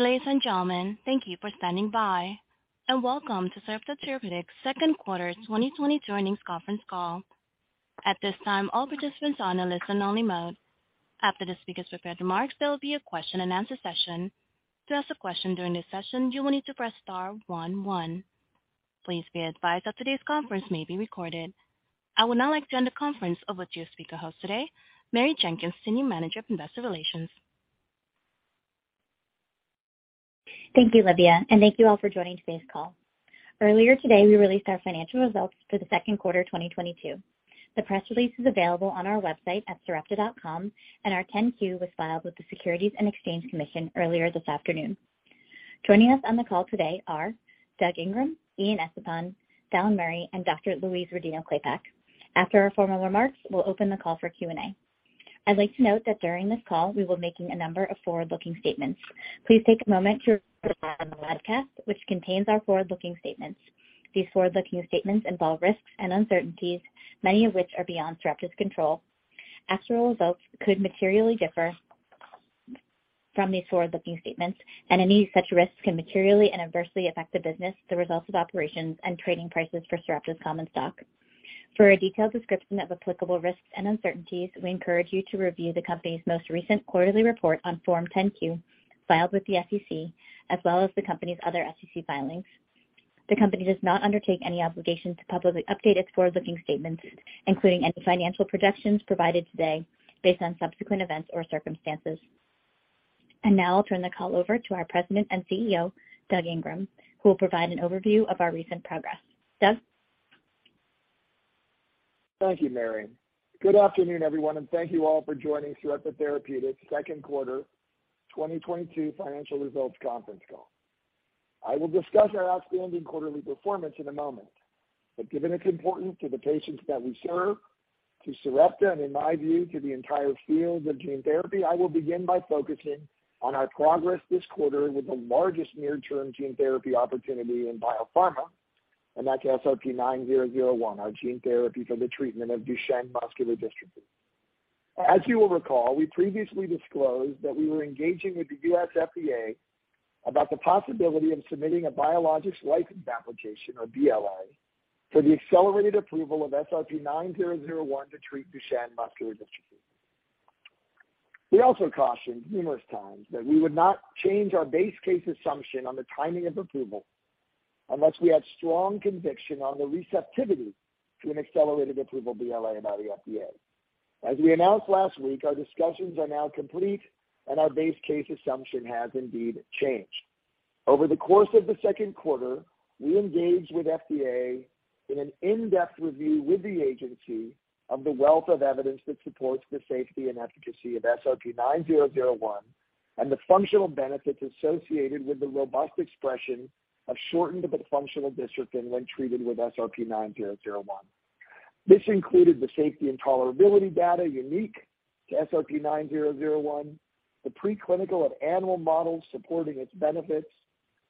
Ladies and gentlemen, thank you for standing by, and welcome to Sarepta Therapeutics' second quarter 2022 earnings conference call. At this time, all participants are on a listen only mode. After the speaker's prepared remarks, there will be a question-and-answer session. To ask a question during this session, you will need to press star one one. Please be advised that today's conference may be recorded. I would now like to hand the conference over to your speaker host today, Mary Jenkins, Senior Manager of Investor Relations. Thank you, Lydia, and thank you all for joining today's call. Earlier today, we released our financial results for the second quarter, 2022. The press release is available on our website at sarepta.com and our 10-Q was filed with the Securities and Exchange Commission earlier this afternoon. Joining us on the call today are Doug Ingram, Ian Estepan, Dallan Murray, and Dr. Louise Rodino-Klapac. After our formal remarks, we'll open the call for Q&A. I'd like to note that during this call we will be making a number of forward-looking statements. Please take a moment to review the notice on the webcast, which contains our forward-looking statements. These forward-looking statements involve risks and uncertainties, many of which are beyond Sarepta's control. Actual results could materially differ from these forward-looking statements, and any such risks can materially and adversely affect the business, the results of operations, and trading prices for Sarepta's common stock. For a detailed description of applicable risks and uncertainties, we encourage you to review the company's most recent quarterly report on Form 10-Q filed with the SEC, as well as the company's other SEC filings. The company does not undertake any obligation to publicly update its forward-looking statements, including any financial projections provided today based on subsequent events or circumstances. Now I'll turn the call over to our President and CEO, Doug Ingram, who will provide an overview of our recent progress. Doug? Thank you, Mary. Good afternoon, everyone, and thank you all for joining Sarepta Therapeutics' second quarter 2022 financial results conference call. I will discuss our outstanding quarterly performance in a moment. Given its importance to the patients that we serve, to Sarepta, and in my view, to the entire field of gene therapy, I will begin by focusing on our progress this quarter with the largest near term gene therapy opportunity in biopharma, and that's SRP-9001, our gene therapy for the treatment of Duchenne muscular dystrophy. As you will recall, we previously disclosed that we were engaging with the U.S. FDA about the possibility of submitting a Biologics License Application, or BLA, for the accelerated approval of SRP-9001 to treat Duchenne muscular dystrophy. We also cautioned numerous times that we would not change our base case assumption on the timing of approval unless we had strong conviction on the receptivity to an accelerated approval BLA by the FDA. As we announced last week, our discussions are now complete and our base case assumption has indeed changed. Over the course of the second quarter, we engaged with FDA in an in-depth review with the agency of the wealth of evidence that supports the safety and efficacy of SRP-9001 and the functional benefits associated with the robust expression of shortened but functional dystrophin when treated with SRP-9001. This included the safety and tolerability data unique to SRP-9001, the preclinical and animal models supporting its benefits,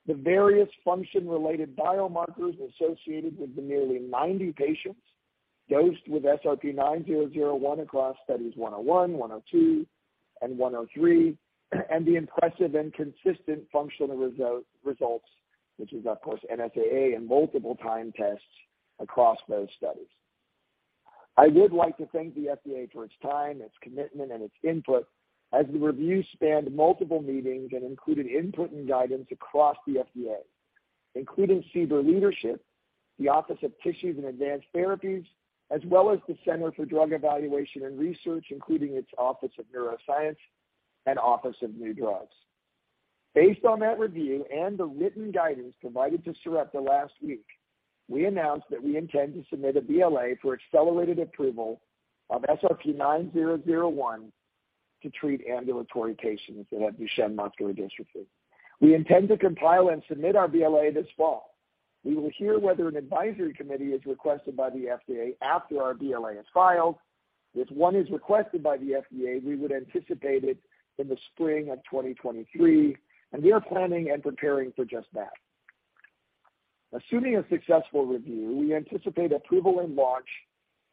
the various function-related biomarkers associated with the nearly 90 patients dosed with SRP-9001 across studies 101, 102, and 103, and the impressive and consistent functional results, which is of course NSAA in multiple time tests across those studies. I would like to thank the FDA for its time, its commitment and its input as the review spanned multiple meetings and included input and guidance across the FDA, including CBER leadership, the Office of Tissues and Advanced Therapies, as well as the Center for Drug Evaluation and Research, including its Office of Neuroscience and Office of New Drugs. Based on that review and the written guidance provided to Sarepta last week, we announced that we intend to submit a BLA for accelerated approval of SRP-9001 to treat ambulatory patients that have Duchenne muscular dystrophy. We intend to compile and submit our BLA this fall. We will hear whether an advisory committee is requested by the FDA after our BLA is filed. If one is requested by the FDA, we would anticipate it in the spring of 2023, and we are planning and preparing for just that. Assuming a successful review, we anticipate approval and launch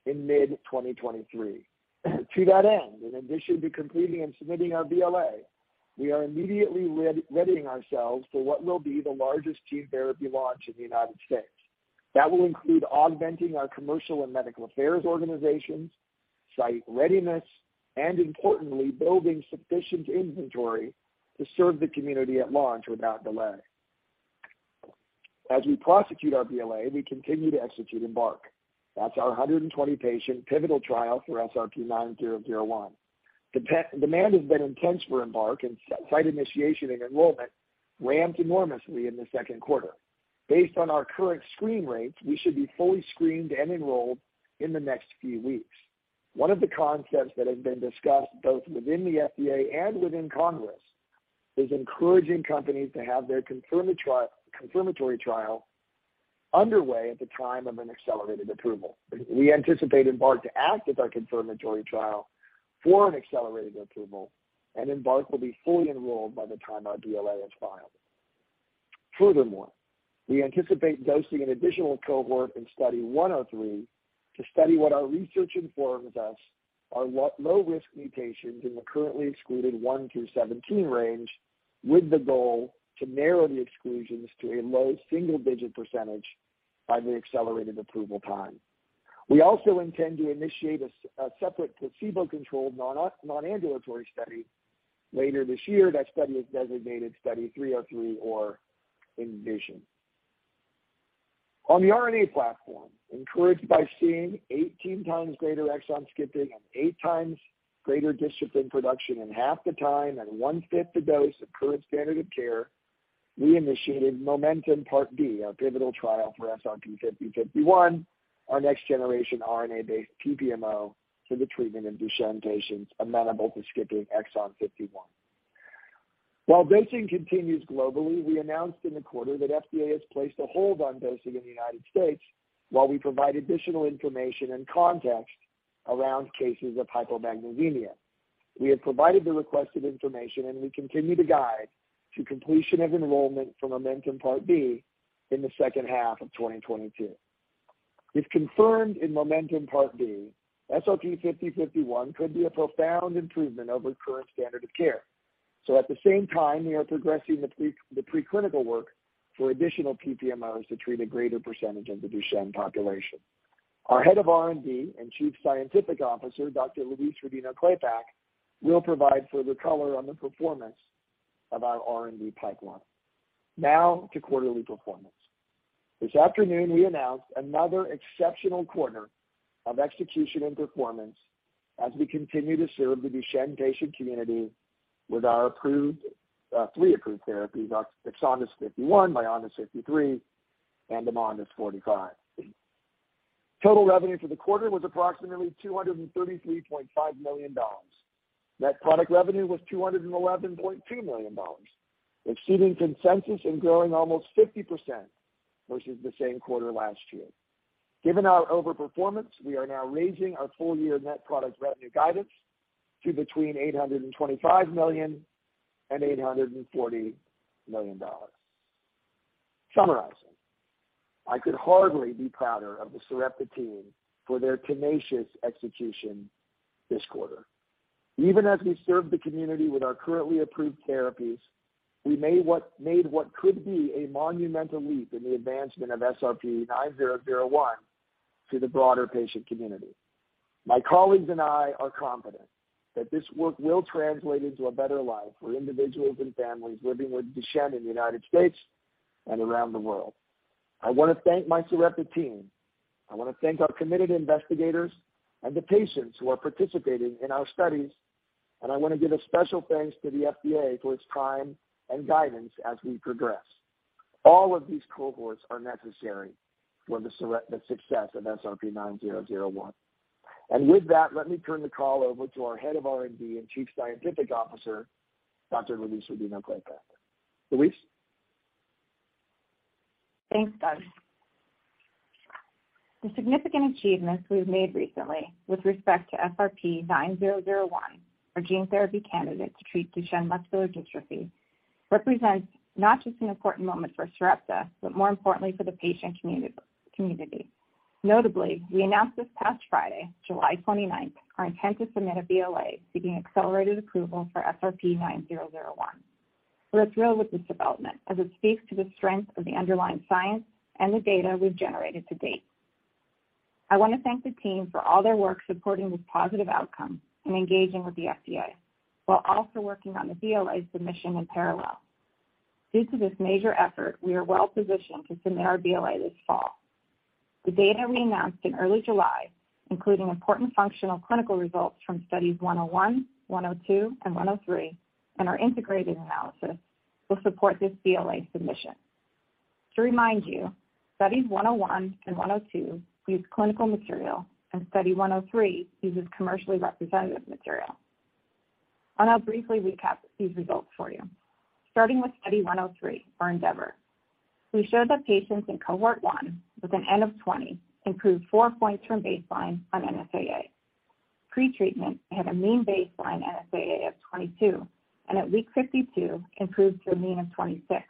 in mid-2023. To that end, in addition to completing and submitting our BLA, we are immediately re-readying ourselves for what will be the largest gene therapy launch in the United States. That will include augmenting our commercial and medical affairs organizations, site readiness, and importantly, building sufficient inventory to serve the community at launch without delay. As we prosecute our BLA, we continue to execute EMBARK. That's our 120-patient pivotal trial for SRP-9001. Demand has been intense for EMBARK, and site initiation and enrollment ramped enormously in the second quarter. Based on our current screen rates, we should be fully screened and enrolled in the next few weeks. One of the concepts that has been discussed both within the FDA and within Congress is encouraging companies to have their confirmatory trial underway at the time of an accelerated approval. We anticipate EMBARK to act as our confirmatory trial for an accelerated approval, and EMBARK will be fully enrolled by the time our BLA is filed. Furthermore, we anticipate dosing an additional cohort in study 103 to study what our research informs us are low-risk mutations in the currently excluded 1-17 range, with the goal to narrow the exclusions to a low single-digit percentage by the accelerated approval time. We also intend to initiate a separate placebo-controlled non-ambulatory study later this year. That study is designated study 303 or ENVISION. On the RNA platform, encouraged by seeing 18 times greater exon skipping and eight times greater dystrophin production in half the time at one-fifth the dose of current standard of care, we initiated MOMENTUM Part B, our pivotal trial for SRP-5051, our next generation RNA-based PPMO for the treatment of Duchenne patients amenable to skipping exon 51. While dosing continues globally, we announced in the quarter that FDA has placed a hold on dosing in the United States while we provide additional information and context around cases of hypomagnesemia. We have provided the requested information, and we continue to guide to completion of enrollment for MOMENTUM Part B in the second half of 2022. If confirmed in MOMENTUM Part B, SRP-5051 could be a profound improvement over current standard of care. At the same time, we are progressing the preclinical work for additional PPMOs to treat a greater percentage of the Duchenne population. Our Head of R&D and Chief Scientific Officer, Dr. Louise Rodino-Klapac, will provide further color on the performance of our R&D pipeline. Now to quarterly performance. This afternoon, we announced another exceptional quarter of execution and performance as we continue to serve the Duchenne patient community with our three approved therapies, our EXONDYS 51, VYONDYS 53, and AMONDYS 45. Total revenue for the quarter was approximately $233.5 million. Net product revenue was $211.2 million, exceeding consensus and growing almost 50% versus the same quarter last year. Given our overperformance, we are now raising our full-year net product revenue guidance to between $825 million and $840 million. Summarizing, I could hardly be prouder of the Sarepta team for their tenacious execution this quarter. Even as we serve the community with our currently approved therapies, we made what could be a monumental leap in the advancement of SRP-9001 to the broader patient community. My colleagues and I are confident that this work will translate into a better life for individuals and families living with Duchenne in the United States and around the world. I wanna thank my Sarepta team. I wanna thank our committed investigators and the patients who are participating in our studies, and I wanna give a special thanks to the FDA for its time and guidance as we progress. All of these cohorts are necessary for Sarepta's success of SRP-9001. With that, let me turn the call over to our Head of R&D and Chief Scientific Officer, Dr. Louise Rodino-Klapac. Louise? Thanks, Doug. The significant achievements we've made recently with respect to SRP-9001, our gene therapy candidate to treat Duchenne muscular dystrophy, represents not just an important moment for Sarepta, but more importantly for the patient community. Notably, we announced this past Friday, July 29th, our intent to submit a BLA seeking accelerated approval for SRP-9001. We're thrilled with this development as it speaks to the strength of the underlying science and the data we've generated to date. I wanna thank the team for all their work supporting this positive outcome and engaging with the FDA, while also working on the BLA submission in parallel. Due to this major effort, we are well positioned to submit our BLA this fall. The data we announced in early July, including important functional clinical results from studies 101, 102, and 103, and our integrated analysis will support this BLA submission. To remind you, studies 101 and 102 use clinical material, and study 103 uses commercially representative material. I'll briefly recap these results for you. Starting with study 103, or ENDEAVOR, we showed that patients in cohort one, with an N of 20, improved four points from baseline on NSAA. Pre-treatment had a mean baseline NSAA of 22, and at week 52 improved to a mean of 26,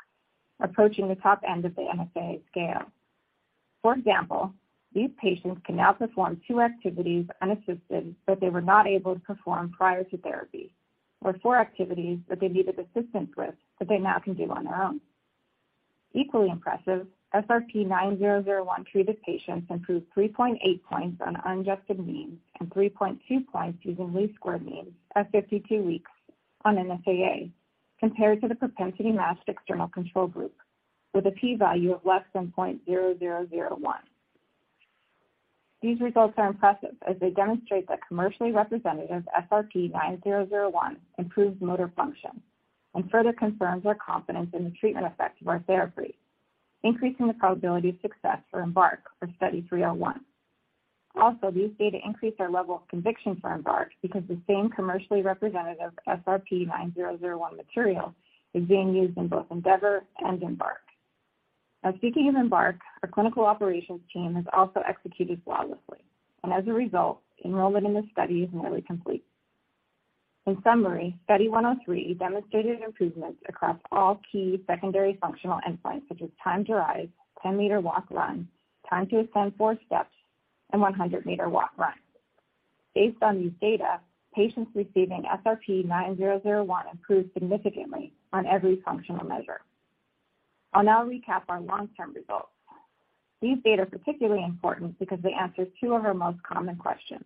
approaching the top end of the NSAA scale. For example, these patients can now perform two activities unassisted that they were not able to perform prior to therapy or four activities that they needed assistance with that they now can do on their own. Equally impressive, SRP-9001 treated patients improved 3.8 points on unadjusted means and 3.2 points using least square means at 52 weeks on NSAA compared to the propensity-matched external control group with a P value of less than 0.0001. These results are impressive as they demonstrate that commercially representative SRP-9001 improves motor function and further confirms our confidence in the treatment effect of our therapy, increasing the probability of success for EMBARK or study 301. Also, these data increase our level of conviction for EMBARK because the same commercially representative SRP-9001 material is being used in both ENDEAVOR and EMBARK. Now speaking of EMBARK, our clinical operations team has also executed flawlessly, and as a result, enrollment in this study is nearly complete. In summary, Study 103 demonstrated improvements across all key secondary functional endpoints, such as time to rise, 10-meter walk/run, time to ascend four steps, and 100-meter walk/run. Based on these data, patients receiving SRP-9001 improved significantly on every functional measure. I'll now recap our long-term results. These data are particularly important because they answer two of our most common questions.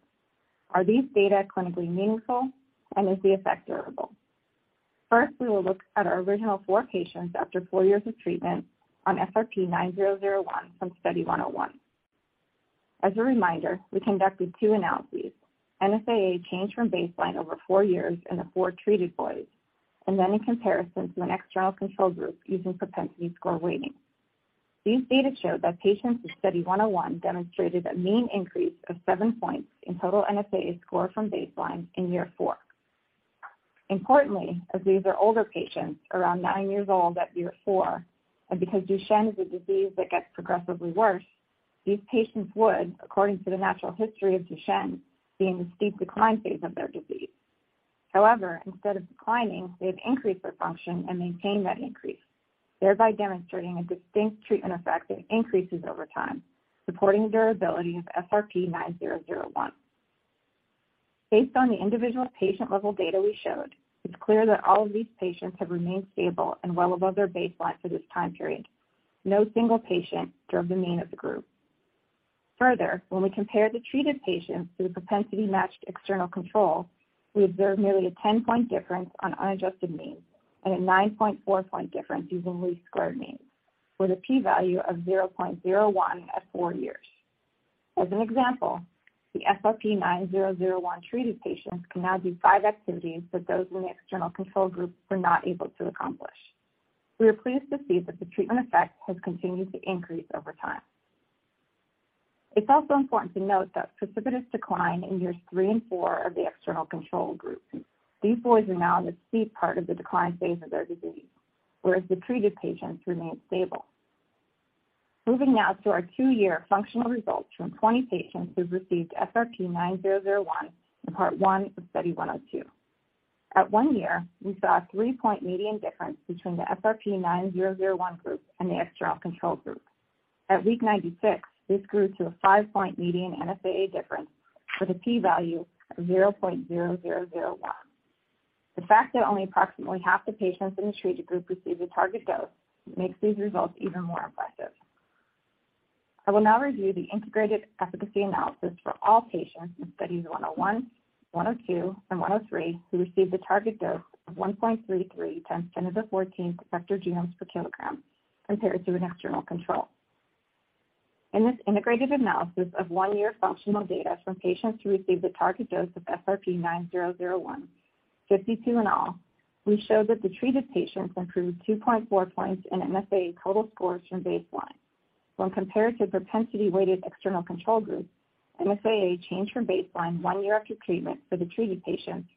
Are these data clinically meaningful, and is the effect durable? First, we will look at our original four patients after four years of treatment on SRP-9001 from Study 101. As a reminder, we conducted two analyses, NSAA change from baseline over four years in the four treated boys, and then in comparison to an external control group using propensity score weighting. These data show that patients in Study 101 demonstrated a mean increase of seven points in total NSAA score from baseline in year four. Importantly, as these are older patients, around nine years old at year four, and because Duchenne is a disease that gets progressively worse, these patients would, according to the natural history of Duchenne, be in the steep decline phase of their disease. However, instead of declining, they've increased their function and maintained that increase, thereby demonstrating a distinct treatment effect that increases over time, supporting the durability of SRP-9001. Based on the individual patient-level data we showed, it's clear that all of these patients have remained stable and well above their baseline for this time period. No single patient drove the mean of the group. Further, when we compare the treated patients to the propensity-matched external control, we observe nearly a 10-point difference on unadjusted means and a 9.4-point difference using least square means with a P value of 0.01 at four years. As an example, the SRP-9001-treated patients can now do five activities that those in the external control group were not able to accomplish. We are pleased to see that the treatment effect has continued to increase over time. It's also important to note that precipitous decline in years three and four of the external control group. These boys are now in the steep part of the decline phase of their disease, whereas the treated patients remained stable. Moving now to our two-year functional results from 20 patients who received SRP-9001 in part one of Study 102. At one year, we saw a three-point median difference between the SRP-9001 group and the external control group. At week 96, this grew to a five-point median NSAA difference with a P value of 0.0001. The fact that only approximately half the patients in the treated group received a target dose makes these results even more impressive. I will now review the integrated efficacy analysis for all patients in Studies 101, 102, and 103 who received a target dose of 1.33 × 10^14 vector genomes per kilogram compared to an external control. In this integrated analysis of one-year functional data from patients who received a target dose of SRP-9001, 52 in all, we show that the treated patients improved 2.4 points in NSAA total scores from baseline. When compared to propensity-weighted external control group, NSAA changed from baseline one year after treatment for the treated patients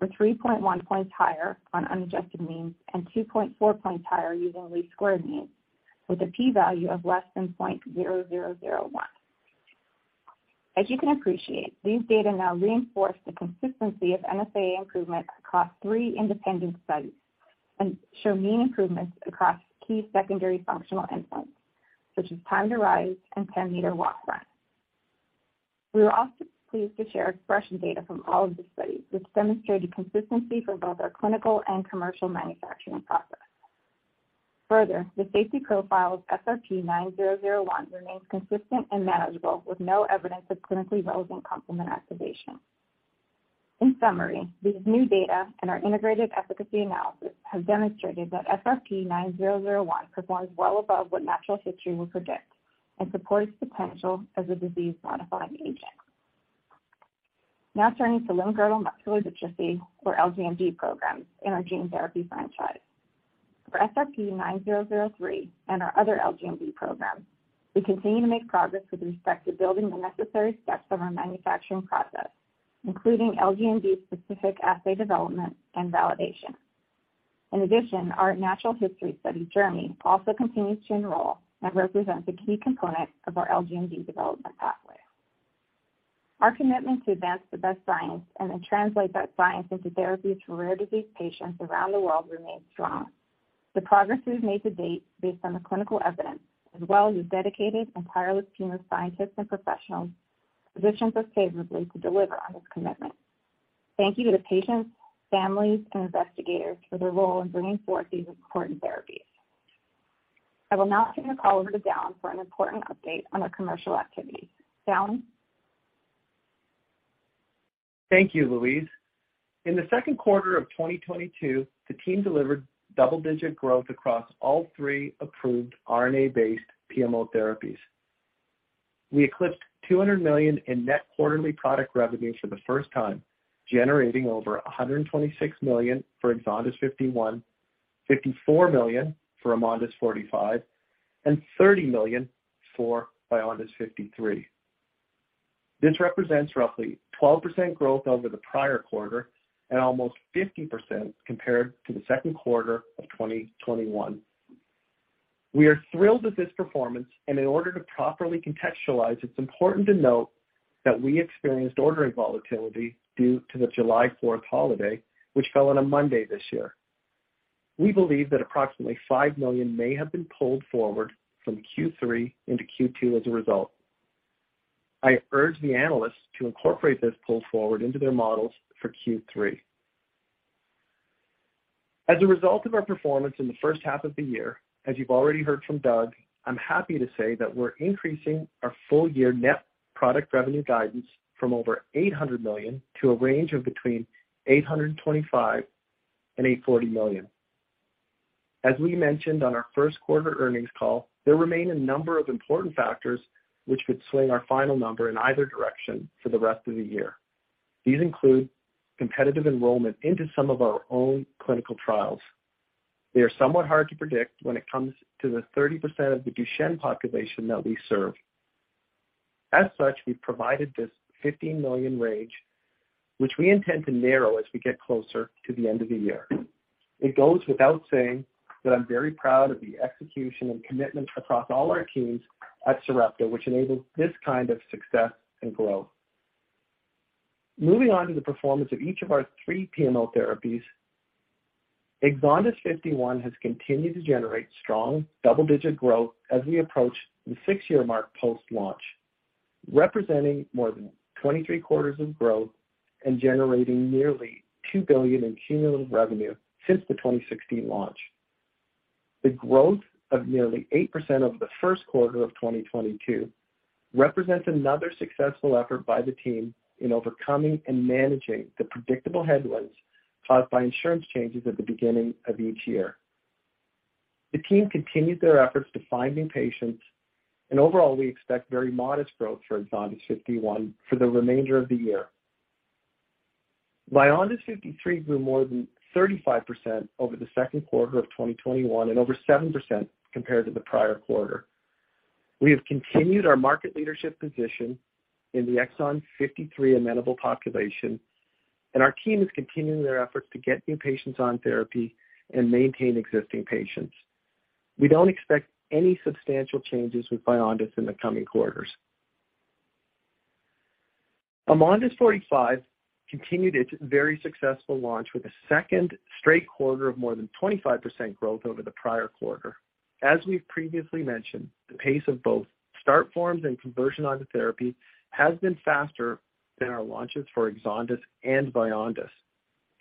were 3.1 points higher on unadjusted means and 2.4 points higher using least square means with a P value of less than 0.0001. As you can appreciate, these data now reinforce the consistency of NSAA improvement across three independent studies and show mean improvements across key secondary functional endpoints, such as time to rise and 10-meter walk/run. We were also pleased to share expression data from all of the studies, which demonstrated consistency for both our clinical and commercial manufacturing process. Further, the safety profile of SRP-9001 remains consistent and manageable with no evidence of clinically relevant complement activation. In summary, these new data and our integrated efficacy analysis have demonstrated that SRP-9001 performs well above what natural history would predict and supports potential as a disease-modifying agent. Now turning to limb-girdle muscular dystrophy, or LGMD programs in our gene therapy franchise. For SRP-9003 and our other LGMD programs, we continue to make progress with respect to building the necessary steps of our manufacturing process, including LGMD-specific assay development and validation. In addition, our natural history study, JOURNEY, also continues to enroll and represents a key component of our LGMD development pathway. Our commitment to advance the best science and then translate that science into therapies for rare disease patients around the world remains strong. The progress we've made to date based on the clinical evidence, as well as a dedicated and tireless team of scientists and professionals, positions us favorably to deliver on this commitment. Thank you to the patients, families, and investigators for their role in bringing forth these important therapies. I will now turn the call over to Dallan Murray for an important update on our commercial activities. Dallan Murray? Thank you, Louise. In the second quarter of 2022, the team delivered double-digit growth across all three approved RNA-based PMO therapies. We eclipsed $200 million in net quarterly product revenue for the first time, generating over $126 million for EXONDYS 51, $54 million for AMONDYS 45, and $30 million for VYONDYS 53. This represents roughly 12% growth over the prior quarter and almost 50% compared to the second quarter of 2021. We are thrilled with this performance, and in order to properly contextualize, it's important to note that we experienced ordering volatility due to the July fourth holiday, which fell on a Monday this year. We believe that approximately $5 million may have been pulled forward from Q3 into Q2 as a result. I urge the analysts to incorporate this pull forward into their models for Q3. As a result of our performance in the first half of the year, as you've already heard from Doug, I'm happy to say that we're increasing our full year net product revenue guidance from over $800 million to a range of between $825 million and $840 million. As we mentioned on our first quarter earnings call, there remain a number of important factors which could swing our final number in either direction for the rest of the year. These include competitive enrollment into some of our own clinical trials. They are somewhat hard to predict when it comes to the 30% of the Duchenne population that we serve. As such, we've provided this $15 million range, which we intend to narrow as we get closer to the end of the year. It goes without saying that I'm very proud of the execution and commitment across all our teams at Sarepta, which enables this kind of success and growth. Moving on to the performance of each of our three PMO therapies. EXONDYS 51 has continued to generate strong double-digit growth as we approach the six-year mark post-launch, representing more than 23 quarters of growth and generating nearly $2 billion in cumulative revenue since the 2016 launch. The growth of nearly 8% over the first quarter of 2022 represents another successful effort by the team in overcoming and managing the predictable headwinds caused by insurance changes at the beginning of each year. The team continued their efforts to find new patients, and overall, we expect very modest growth for EXONDYS 51 for the remainder of the year. VYONDYS 53 grew more than 35% over the second quarter of 2021 and over 7% compared to the prior quarter. We have continued our market leadership position in the exon 53 amenable population, and our team is continuing their efforts to get new patients on therapy and maintain existing patients. We don't expect any substantial changes with VYONDYS in the coming quarters. AMONDYS 45 continued its very successful launch with a second straight quarter of more than 25% growth over the prior quarter. As we've previously mentioned, the pace of both start forms and conversion onto therapy has been faster than our launches for EXONDYS and VYONDYS.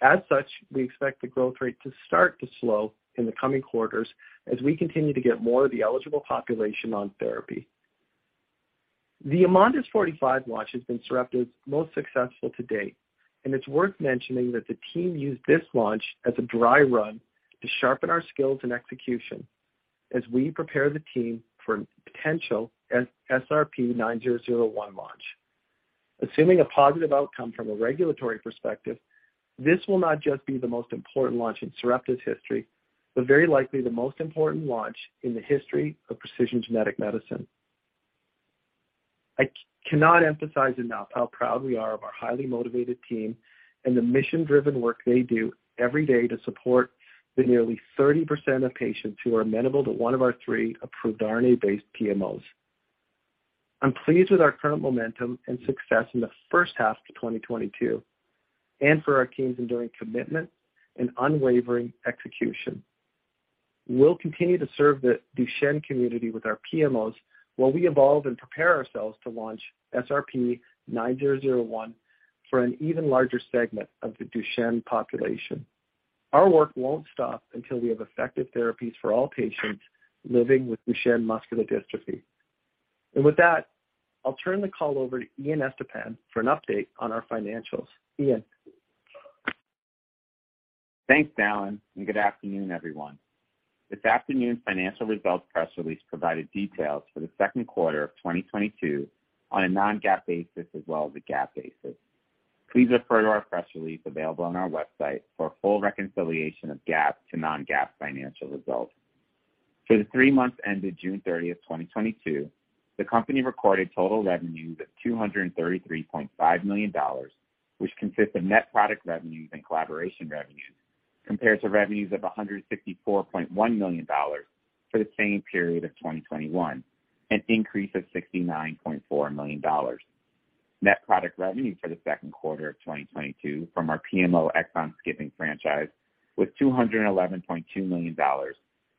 As such, we expect the growth rate to start to slow in the coming quarters as we continue to get more of the eligible population on therapy. The AMONDYS 45 launch has been Sarepta's most successful to date, and it's worth mentioning that the team used this launch as a dry run to sharpen our skills and execution as we prepare the team for potential SRP-9001 launch. Assuming a positive outcome from a regulatory perspective, this will not just be the most important launch in Sarepta's history, but very likely the most important launch in the history of precision genetic medicine. I cannot emphasize enough how proud we are of our highly motivated team and the mission-driven work they do every day to support the nearly 30% of patients who are amenable to one of our three approved RNA-based PMOs. I'm pleased with our current momentum and success in the first half of 2022, and for our team's enduring commitment and unwavering execution. We'll continue to serve the Duchenne community with our PMOs while we evolve and prepare ourselves to launch SRP-9001 for an even larger segment of the Duchenne population. Our work won't stop until we have effective therapies for all patients living with Duchenne muscular dystrophy. With that, I'll turn the call over to Ian Estepan for an update on our financials. Ian. Thanks, Dallan, and good afternoon, everyone. This afternoon's financial results press release provided details for the second quarter of 2022 on a non-GAAP basis as well as a GAAP basis. Please refer to our press release available on our website for a full reconciliation of GAAP to non-GAAP financial results. For the three months ended June 30, 2022, the company recorded total revenues of $233.5 million, which consists of net product revenues and collaboration revenue, compared to revenues of $164.1 million for the same period of 2021, an increase of $69.4 million. Net product revenue for the second quarter of 2022 from our PMO exon-skipping franchise was $211.2 million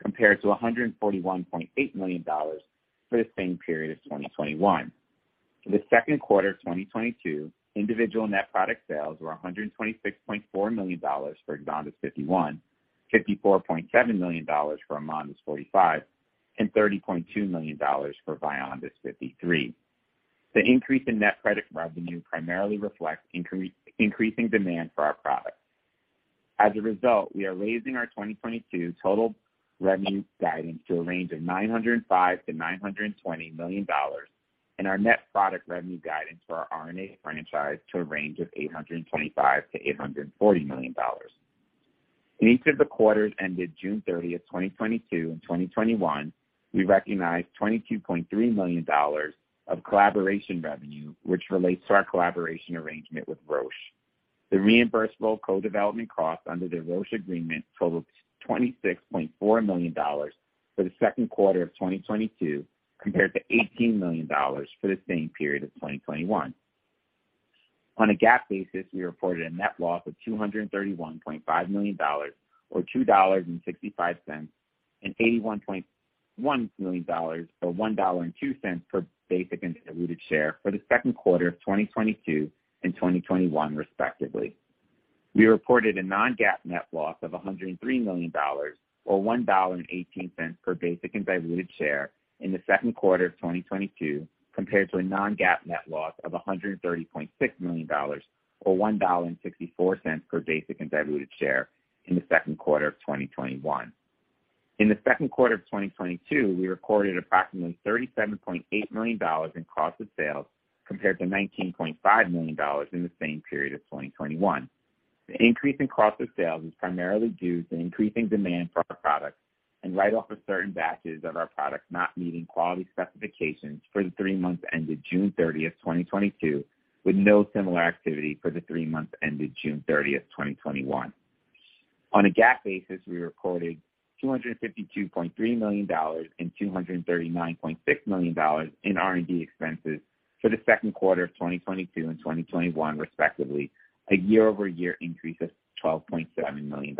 compared to $141.8 million for the same period of 2021. For the second quarter of 2022, individual net product sales were $126.4 million for EXONDYS 51, $54.7 million for AMONDYS 45, and $30.2 million for VYONDYS 53. The increase in net product revenue primarily reflects increasing demand for our products. As a result, we are raising our 2022 total revenue guidance to a range of $905 million-$920 million, and our net product revenue guidance for our RNA franchise to a range of $825 million-$840 million. In each of the quarters ended June 30, 2022 and 2021, we recognized $22.3 million of collaboration revenue, which relates to our collaboration arrangement with Roche. The reimbursable co-development cost under the Roche agreement totals $26.4 million for the second quarter of 2022 compared to $18 million for the same period of 2021. On a GAAP basis, we reported a net loss of $231.5 million or $2.65 and $81.1 million, or $1.02 per basic and diluted share for the second quarter of 2022 and 2021, respectively. We reported a non-GAAP net loss of $103 million or $1.18 per basic and diluted share in the second quarter of 2022 compared to a non-GAAP net loss of $130.6 million or $1.64 per basic and diluted share in the second quarter of 2021. In the second quarter of 2022, we recorded approximately $37.8 million in cost of sales compared to $19.5 million in the same period of 2021. The increase in cost of sales is primarily due to increasing demand for our products and write-off of certain batches of our products not meeting quality specifications for the three months ended June 30, 2022, with no similar activity for the three months ended June 30, 2021. On a GAAP basis, we recorded $252.3 million and $239.6 million in R&D expenses for the second quarter of 2022 and 2021, respectively, a year-over-year increase of $12.7 million.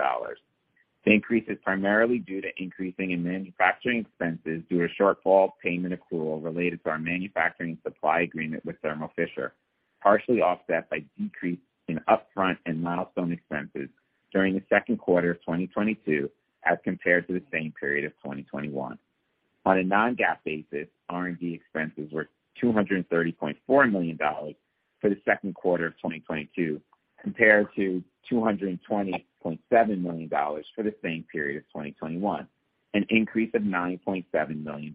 The increase is primarily due to increase in manufacturing expenses due to shortfall of payment accrual related to our manufacturing supply agreement with Thermo Fisher, partially offset by decrease in upfront and milestone expenses during the second quarter of 2022 as compared to the same period of 2021. On a non-GAAP basis, R&D expenses were $230.4 million for the second quarter of 2022 compared to $220.7 million for the same period of 2021, an increase of $9.7 million.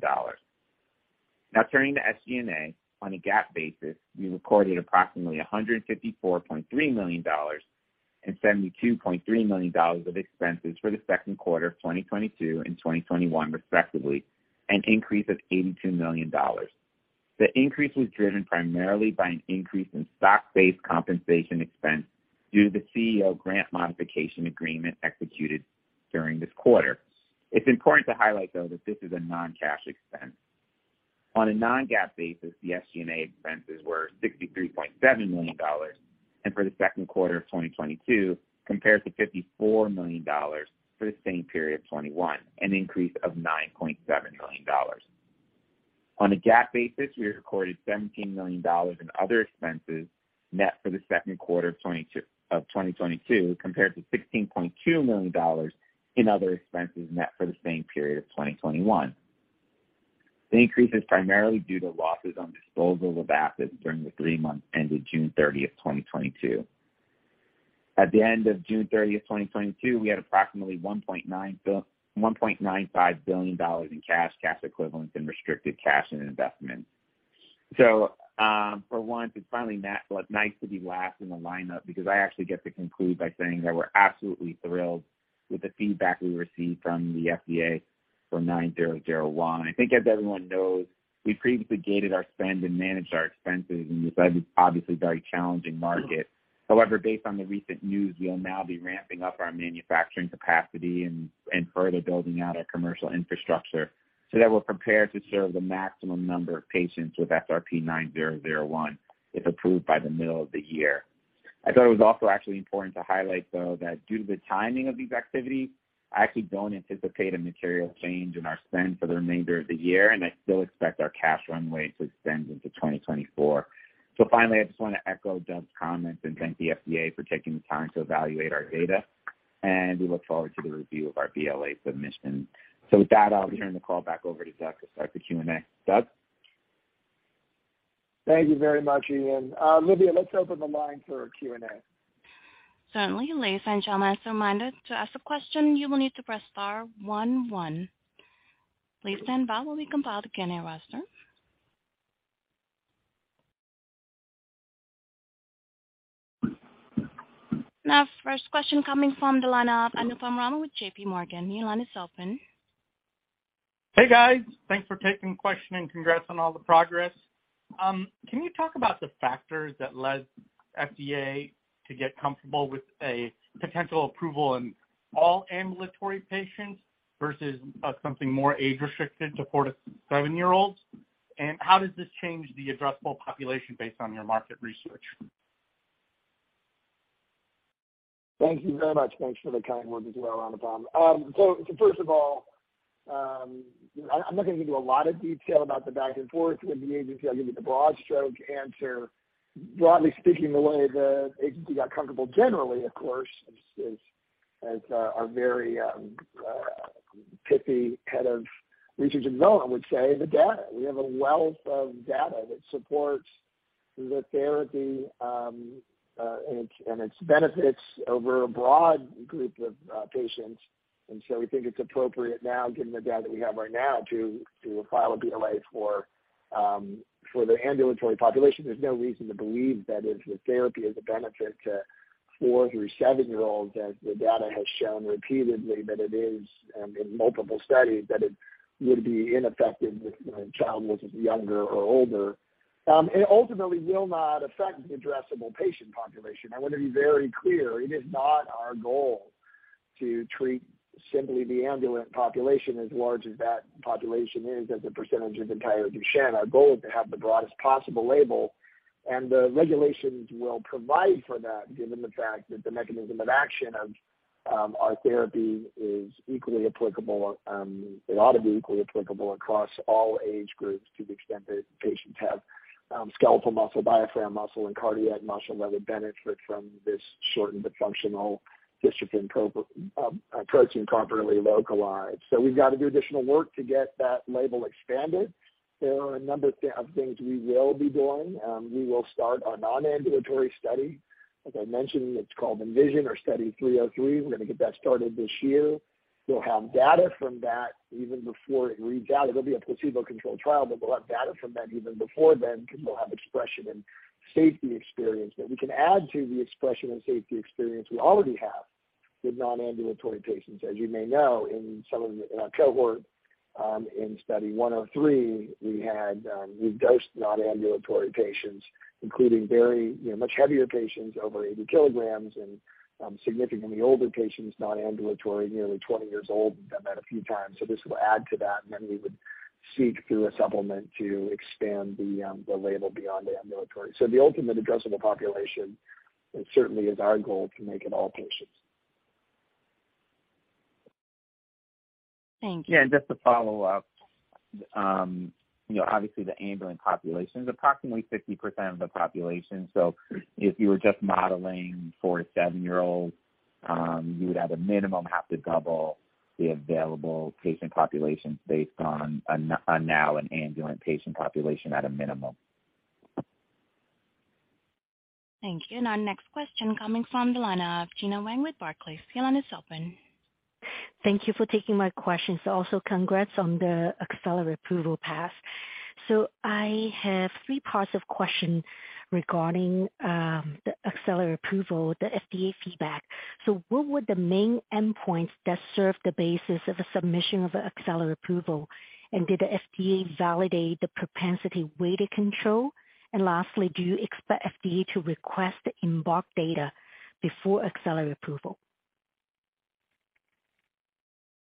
Now turning to SG&A. On a GAAP basis, we recorded approximately $154.3 million and $72.3 million of expenses for the second quarter of 2022 and 2021, respectively, an increase of $82 million. The increase was driven primarily by an increase in stock-based compensation expense due to the CEO grant modification agreement executed during this quarter. It's important to highlight, though, that this is a non-cash expense. On a non-GAAP basis, the SG&A expenses were $63.7 million for the second quarter of 2022 compared to $54 million for the same period of 2021, an increase of $9.7 million. On a GAAP basis, we recorded $17 million in other expenses net for the second quarter of 2022 compared to $16.2 million in other expenses net for the same period of 2021. The increase is primarily due to losses on disposal of assets during the three months ended June 30, 2022. At the end of June 30th, 2022, we had approximately $1.95 billion in cash equivalents, and restricted cash and investments. For once, well, it's nice to be last in the lineup because I actually get to conclude by saying that we're absolutely thrilled with the feedback we received from the FDA for SRP-9001. I think as everyone knows, we previously gated our spend and managed our expenses in this obviously very challenging market. However, based on the recent news, we'll now be ramping up our manufacturing capacity and further building out our commercial infrastructure so that we're prepared to serve the maximum number of patients with SRP-9001 if approved by the middle of the year. I thought it was also actually important to highlight, though, that due to the timing of these activities, I actually don't anticipate a material change in our spend for the remainder of the year, and I still expect our cash runway to extend into 2024. Finally, I just want to echo Doug's comments and thank the FDA for taking the time to evaluate our data, and we look forward to the review of our BLA submission. With that, I'll turn the call back over to Doug to start the Q&A. Doug? Thank you very much, Ian. Olivia, let's open the line for Q&A. Certainly. Ladies and gentlemen, as a reminder, to ask a question, you will need to press star one one. Please stand by while we compile the Q&A roster. Now, first question coming from the line of Anupam Rama with J.P. Morgan. Your line is open. Hey, guys. Thanks for taking the question and congrats on all the progress. Can you talk about the factors that led FDA to get comfortable with a potential approval in all ambulatory patients versus something more age restricted to 4-7-year-olds? How does this change the addressable population based on your market research? Thank you very much. Thanks for the kind words as well, Anupam. So first of all, I'm not gonna give you a lot of detail about the back and forth with the agency. I'll give you the broad stroke answer. Broadly speaking, the way the agency got comfortable generally, of course, is as our very pithy head of research and development would say, the data. We have a wealth of data that supports the therapy and its benefits over a broad group of patients. We think it's appropriate now, given the data that we have right now, to file a BLA for the ambulatory population. There's no reason to believe that if the therapy is a benefit to 4-7-year-olds, as the data has shown repeatedly that it is, in multiple studies, that it would be ineffective if, you know, the child was younger or older. It ultimately will not affect the addressable patient population. I want to be very clear, it is not our goal to treat simply the ambulant population as large as that population is as a percentage of entire Duchenne. Our goal is to have the broadest possible label, and the regulations will provide for that given the fact that the mechanism of action of our therapy is equally applicable. It ought to be equally applicable across all age groups to the extent that patients have skeletal muscle, diaphragm muscle and cardiac muscle that would benefit from this shortened but functional dystrophin protein properly localized. We've got to do additional work to get that label expanded. There are a number of things we will be doing. We will start our non-ambulatory study. As I mentioned, it's called ENVISION or Study 303. We're gonna get that started this year. We'll have data from that even before it reads out. It'll be a placebo-controlled trial, but we'll have data from that even before then because we'll have expression and safety experience that we can add to the expression and safety experience we already have with non-ambulatory patients. As you may know, in our cohort in Study 103, we dosed non-ambulatory patients, including very, you know, much heavier patients over 80 kilograms and significantly older patients, non-ambulatory, nearly 20 years old. We've done that a few times. This will add to that, and then we would seek through a supplement to expand the label beyond ambulatory. The ultimate addressable population, it certainly is our goal to make it all patients. Thank you. Yeah, just to follow up, you know, obviously the ambulant population is approximately 50% of the population. If you were just modeling for a seven-year-old, you would at a minimum have to double the available patient population based on now an ambulant patient population at a minimum. Thank you. Our next question coming from the line of Gena Wang with Barclays. Your line is open. Thank you for taking my questions. Also congrats on the accelerated approval path. I have three parts to the question regarding the accelerated approval, the FDA feedback. What were the main endpoints that served the basis of the submission for accelerated approval? And did the FDA validate the propensity weighted control? And lastly, do you expect FDA to request the EMBARK data before accelerated approval?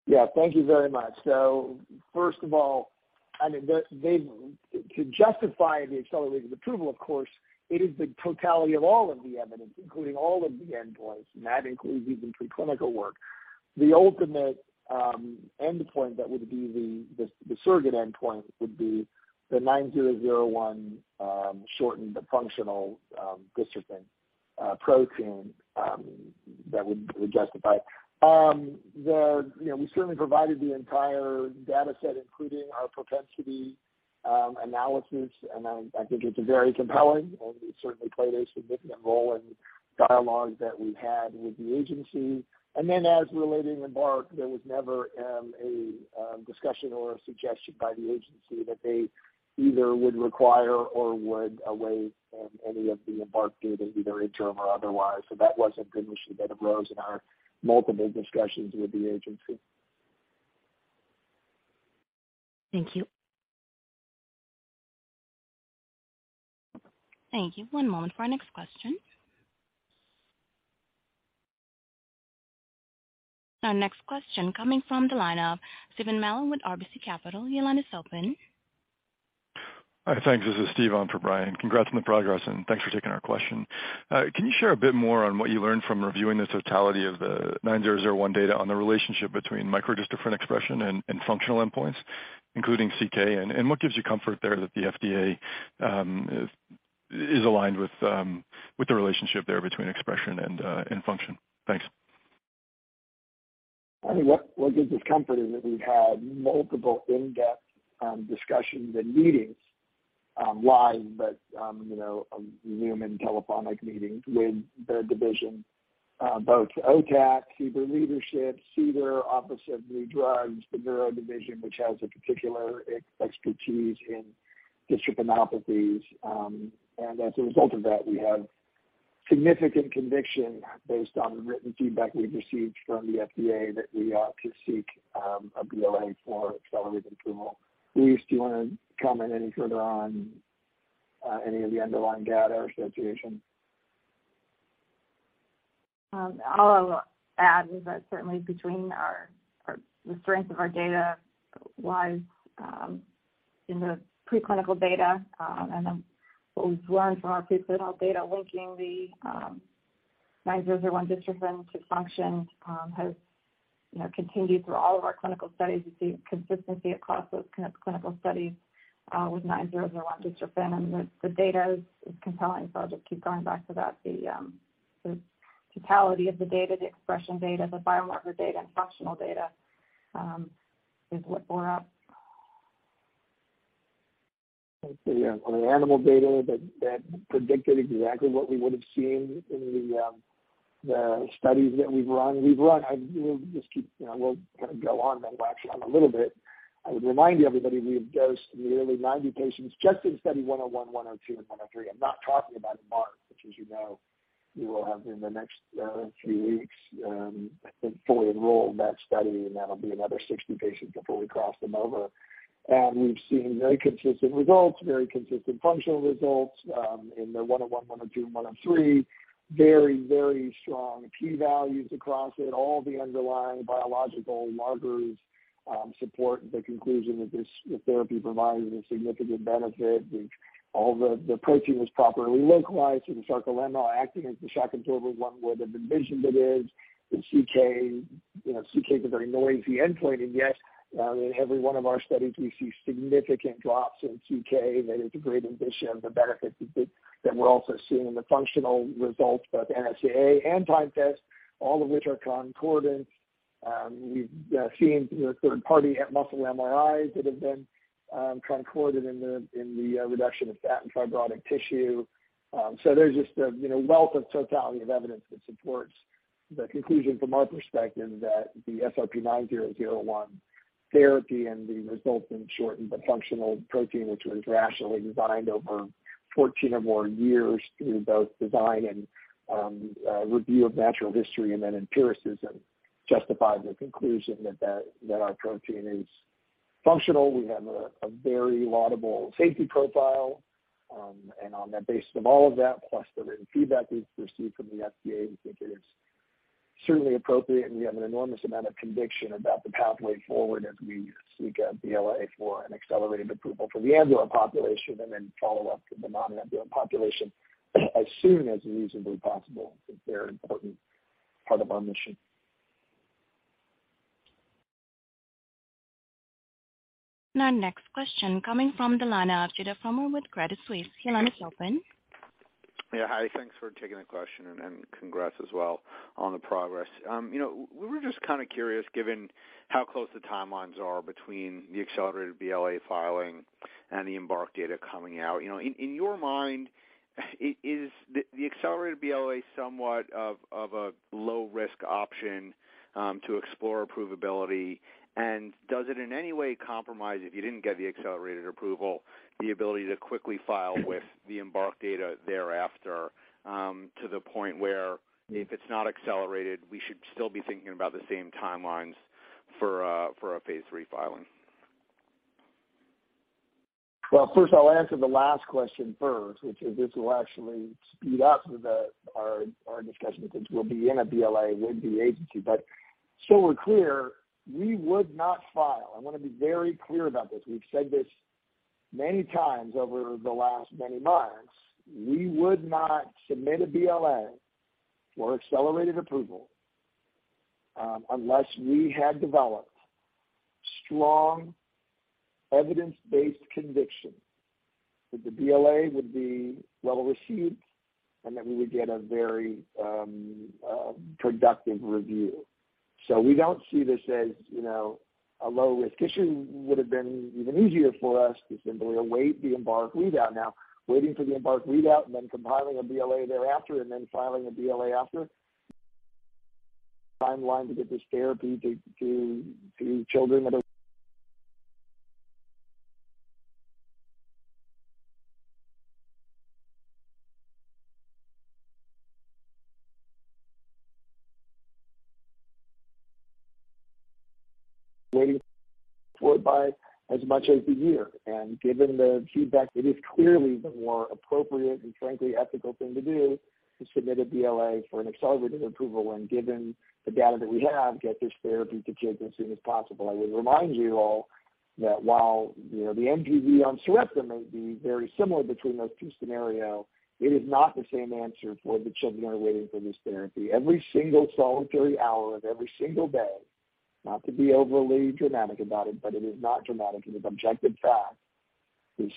Yeah. Thank you very much. First of all, I mean, to justify the accelerated approval, of course, it is the totality of all of the evidence, including all of the endpoints, and that includes even preclinical work. The ultimate endpoint that would be the surrogate endpoint would be the SRP-9001 shortened but functional dystrophin protein that would justify it. You know, we certainly provided the entire data set, including our propensity analysis. I think it's very compelling, and it certainly played a significant role in dialogue that we had with the agency. As relating to EMBARK, there was never a discussion or a suggestion by the agency that they either would require or would await any of the EMBARK data, either interim or otherwise. That wasn't an issue that arose in our multiple discussions with the agency. Thank you. Thank you. One moment for our next question. Our next question coming from the line of Stephen Mallon with RBC Capital Markets. Your line is open. Thanks. This is Steve on for Brian. Congrats on the progress, and thanks for taking our question. Can you share a bit more on what you learned from reviewing the totality of the SRP-9001 data on the relationship between micro-dystrophin expression and functional endpoints, including CK? What gives you comfort there that the FDA is aligned with the relationship there between expression and function? Thanks. I mean, what gives us comfort is that we've had multiple in-depth discussions and meetings, live, but you know, Zoom and telephonic meetings with their division, both OTAT, CDER leadership, CDER, Office of New Drugs, the Neuro Division, which has a particular expertise in dystrophinopathies. As a result of that, we have significant conviction based on the written feedback we've received from the FDA that we ought to seek a BLA for accelerated approval. Louise, do you wanna comment any further on any of the underlying data or association? All I will add is that certainly the strength of our data lies in the preclinical data and then what we've learned from our preclinical data linking the nine zero zero one dystrophin to function has you know continued through all of our clinical studies. We see consistency across those clinical studies with SRP-9001 dystrophin and the data is compelling. I'll just keep going back to that. The totality of the data, the expression data, the biomarker data, and functional data is what bore out. Let's see, on the animal data that predicted exactly what we would have seen in the studies that we've run. I will just keep, you know, we'll kind of go on then. Well, actually I'm a little bit. I would remind everybody we have dosed nearly 90 patients just in Study 101, 102, and 103. I'm not talking about EMBARK, which, as you know, we will have in the next three weeks, I think, fully enrolled that study, and that'll be another 60 patients before we cross them over. We've seen very consistent results, very consistent functional results, in there 101, 102, and 103. Very, very strong key values across it. All the underlying biological markers support the conclusion that this therapy provides a significant benefit. All the protein was properly localized to the sarcolemma, acting as the shock absorber one would have envisioned it is. The CK is a very noisy endpoint, and yes, in every one of our studies we see significant drops in CK that integrate in addition the benefits that we're also seeing in the functional results, both NSAA and time test, all of which are concordant. We've seen third-party muscle MRIs that have been concordant in the reduction of fat and fibrotic tissue. There's just a, you know, wealth of totality of evidence that supports the conclusion from our perspective that the SRP-9001 therapy and the resultant shortened but functional protein which was rationally designed over 14 or more years through both design and review of natural history and then empiricism justify the conclusion that our protein is functional. We have a very laudable safety profile. On the basis of all of that, plus the written feedback we've received from the FDA, we think it is certainly appropriate, and we have an enormous amount of conviction about the pathway forward as we seek a BLA for an accelerated approval for the ambulant population and then follow up with the non-ambulant population as soon as reasonably possible. It's a very important part of our mission. Our next question coming from the line of Judah Frommer with Credit Suisse. Your line is open. Yeah, hi. Thanks for taking the question, and congrats as well on the progress. You know, we were just kinda curious, given how close the timelines are between the accelerated BLA filing and the EMBARK data coming out. You know, in your mind, is the accelerated BLA somewhat of a low-risk option to explore approvability? Does it in any way compromise if you didn't get the accelerated approval, the ability to quickly file with the EMBARK data thereafter, to the point where if it's not accelerated, we should still be thinking about the same timelines for a phase III filing? Well, first I'll answer the last question first, which is this will actually speed up our discussion because we'll be in a BLA with the agency. So we're clear, we would not file. I wanna be very clear about this. We've said this many times over the last many months. We would not submit a BLA for accelerated approval unless we had developed strong evidence-based conviction that the BLA would be well received and that we would get a very productive review. We don't see this as, you know, a low risk issue. It would have been even easier for us to simply await the EMBARK readout. Now, waiting for the EMBARK readout and then compiling a BLA thereafter and then filing a BLA after timeline to get this therapy to children that are delayed by as much as a year. Given the feedback, it is clearly the more appropriate and frankly ethical thing to do to submit a BLA for an accelerated approval and, given the data that we have, get this therapy to kids as soon as possible. I would remind you all that while, you know, the MVD on Sarepta may be very similar between those two scenario, it is not the same answer for the children that are waiting for this therapy. Every single solitary hour of every single day, not to be overly dramatic about it, but it is not dramatic, it is objective fact, this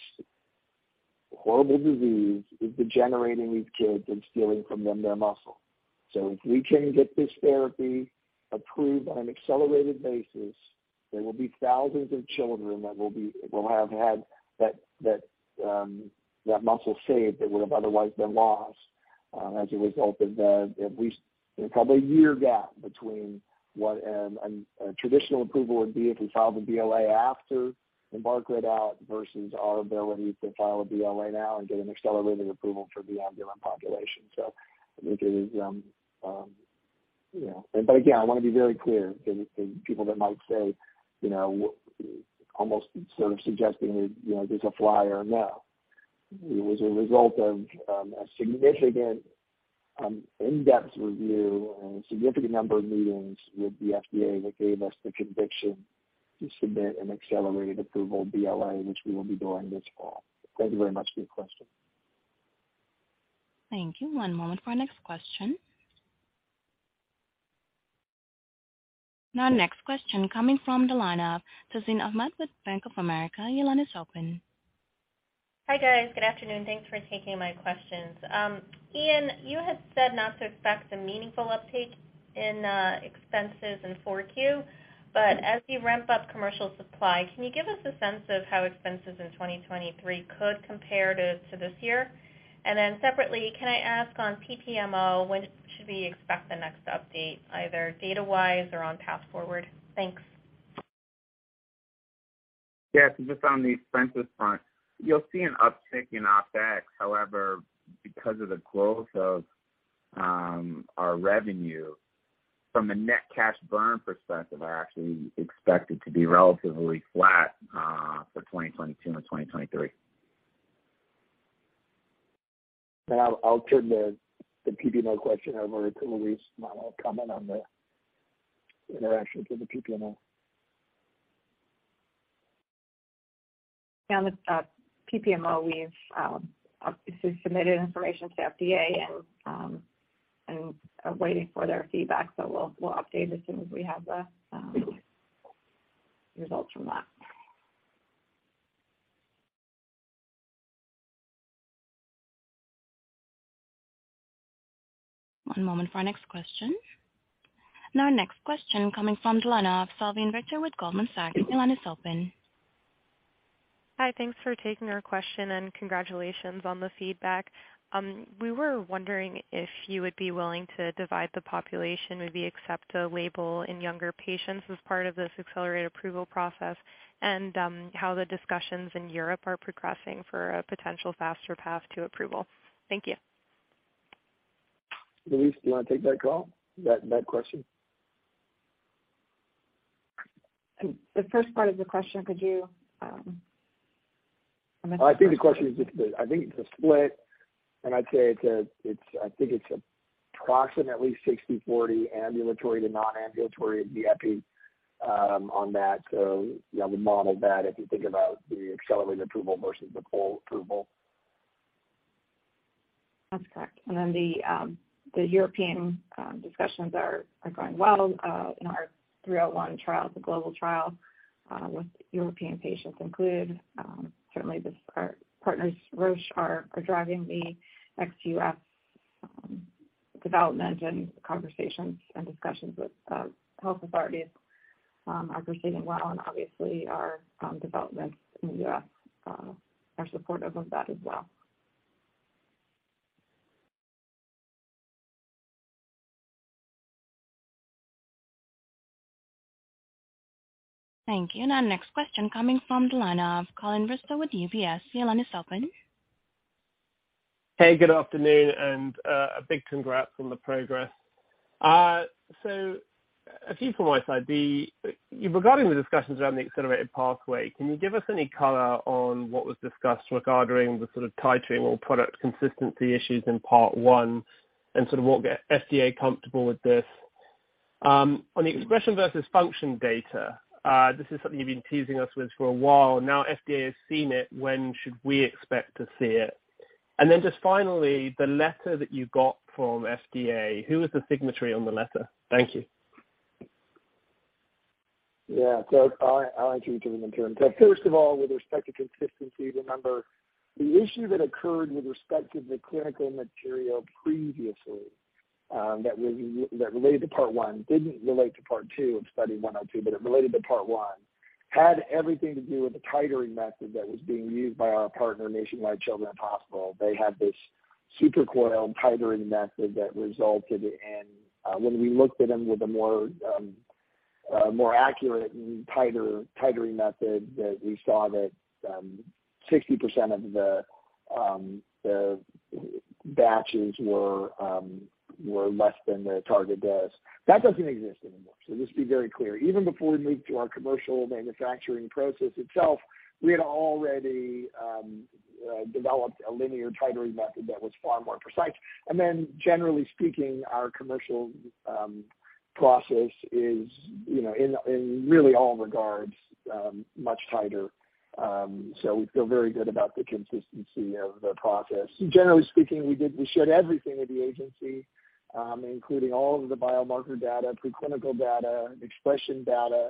horrible disease is degenerating these kids and stealing from them their muscle. If we can get this therapy approved on an accelerated basis, there will be thousands of children that will have had that muscle saved that would have otherwise been lost, as a result of the at least probably a year gap between what a traditional approval would be if we filed a BLA after EMBARK readout versus our ability to file a BLA now and get an accelerated approval for the ambulant population. I think it is, you know. Again, I wanna be very clear to people that might say, you know, almost sort of suggesting that, you know, there's a flaw or no. It was a result of a significant in-depth review and a significant number of meetings with the FDA that gave us the conviction to submit an accelerated approval BLA, which we will be doing this fall. Thank you very much for your question. Thank you. One moment for our next question. Our next question coming from the line of Tazeen Ahmad with Bank of America. Your line is open. Hi, guys, good afternoon. Thanks for taking my questions. Ian, you had said not to expect a meaningful uptake in expenses in 4Q. As you ramp up commercial supply, can you give us a sense of how expenses in 2023 could compare to this year? Then separately, can I ask on PPMO, when should we expect the next update, either data-wise or on path forward? Thanks. Just on the expenses front, you'll see an uptick in OpEx. However, because of the growth of our revenue, our net cash burn is actually expected to be relatively flat for 2022 and 2023. I'll turn the PPMO question over to Louise. I'll comment on the interactions with the PPMO. On the PPMO, we've obviously submitted information to FDA and are waiting for their feedback, so we'll update as soon as we have the results from that. One moment for our next question. Now our next question coming from the line of Salveen Richter with Goldman Sachs. Your line is open. Hi. Thanks for taking our question, and congratulations on the feedback. We were wondering if you would be willing to divide the population, maybe accept a label in younger patients as part of this accelerated approval process, and how the discussions in Europe are progressing for a potential faster path to approval. Thank you. Louise, do you wanna take that call, that question? The first part of the question, could you I think the question is just. I think it's a split, and I'd say it's approximately 60/40 ambulatory to non-ambulatory DMD on that. You know, we modeled that if you think about the accelerated approval versus the full approval. That's correct. The European discussions are going well. Our 301 trial is a global trial with European patients included. Certainly our partners, Roche, are driving the ex-U.S. development and conversations and discussions with health authorities are proceeding well, and obviously our developments in the U.S. are supportive of that as well. Thank you. Our next question coming from the line of Colin Bristow with UBS. Your line is open. Hey, good afternoon, and a big congrats on the progress. A few from my side. Regarding the discussions around the accelerated pathway, can you give us any color on what was discussed regarding the sort of titrating or product consistency issues in part one and sort of what got FDA comfortable with this? On the expression versus function data, this is something you've been teasing us with for a while. Now FDA has seen it. When should we expect to see it? Just finally, the letter that you got from FDA, who was the signatory on the letter? Thank you. Yeah. I’ll answer each of them in turn. First of all, with respect to consistency, remember the issue that occurred with respect to the clinical material previously, that related to part one, didn't relate to part two of Study 102, but it related to part one, had everything to do with the titering method that was being used by our partner, Nationwide Children's Hospital. They had this supercoiled titering method that resulted in, when we looked at them with a more accurate and tighter titering method, that we saw that 60% of the batches were less than the target dose. That doesn't exist anymore. Just to be very clear, even before we moved to our commercial manufacturing process itself, we had already developed a linear titering method that was far more precise. Generally speaking, our commercial process is, you know, in really all regards much tighter. We feel very good about the consistency of the process. Generally speaking, we did, we showed everything to the agency including all of the biomarker data, preclinical data, expression data,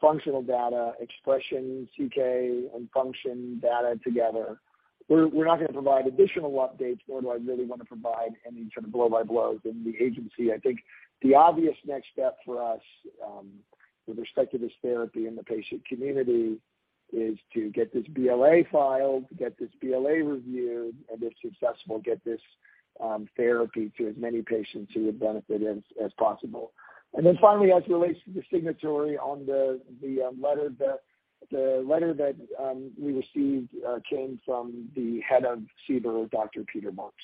functional data, expression, CK and function data together. We're not gonna provide additional updates, nor do I really wanna provide any sort of blow-by-blow within the agency. I think the obvious next step for us, with respect to this therapy and the patient community is to get this BLA filed, get this BLA reviewed, and if successful, get this therapy to as many patients who would benefit as possible. Then finally, as it relates to the signatory on the letter that we received, came from the head of CBER, Dr. Peter Marks.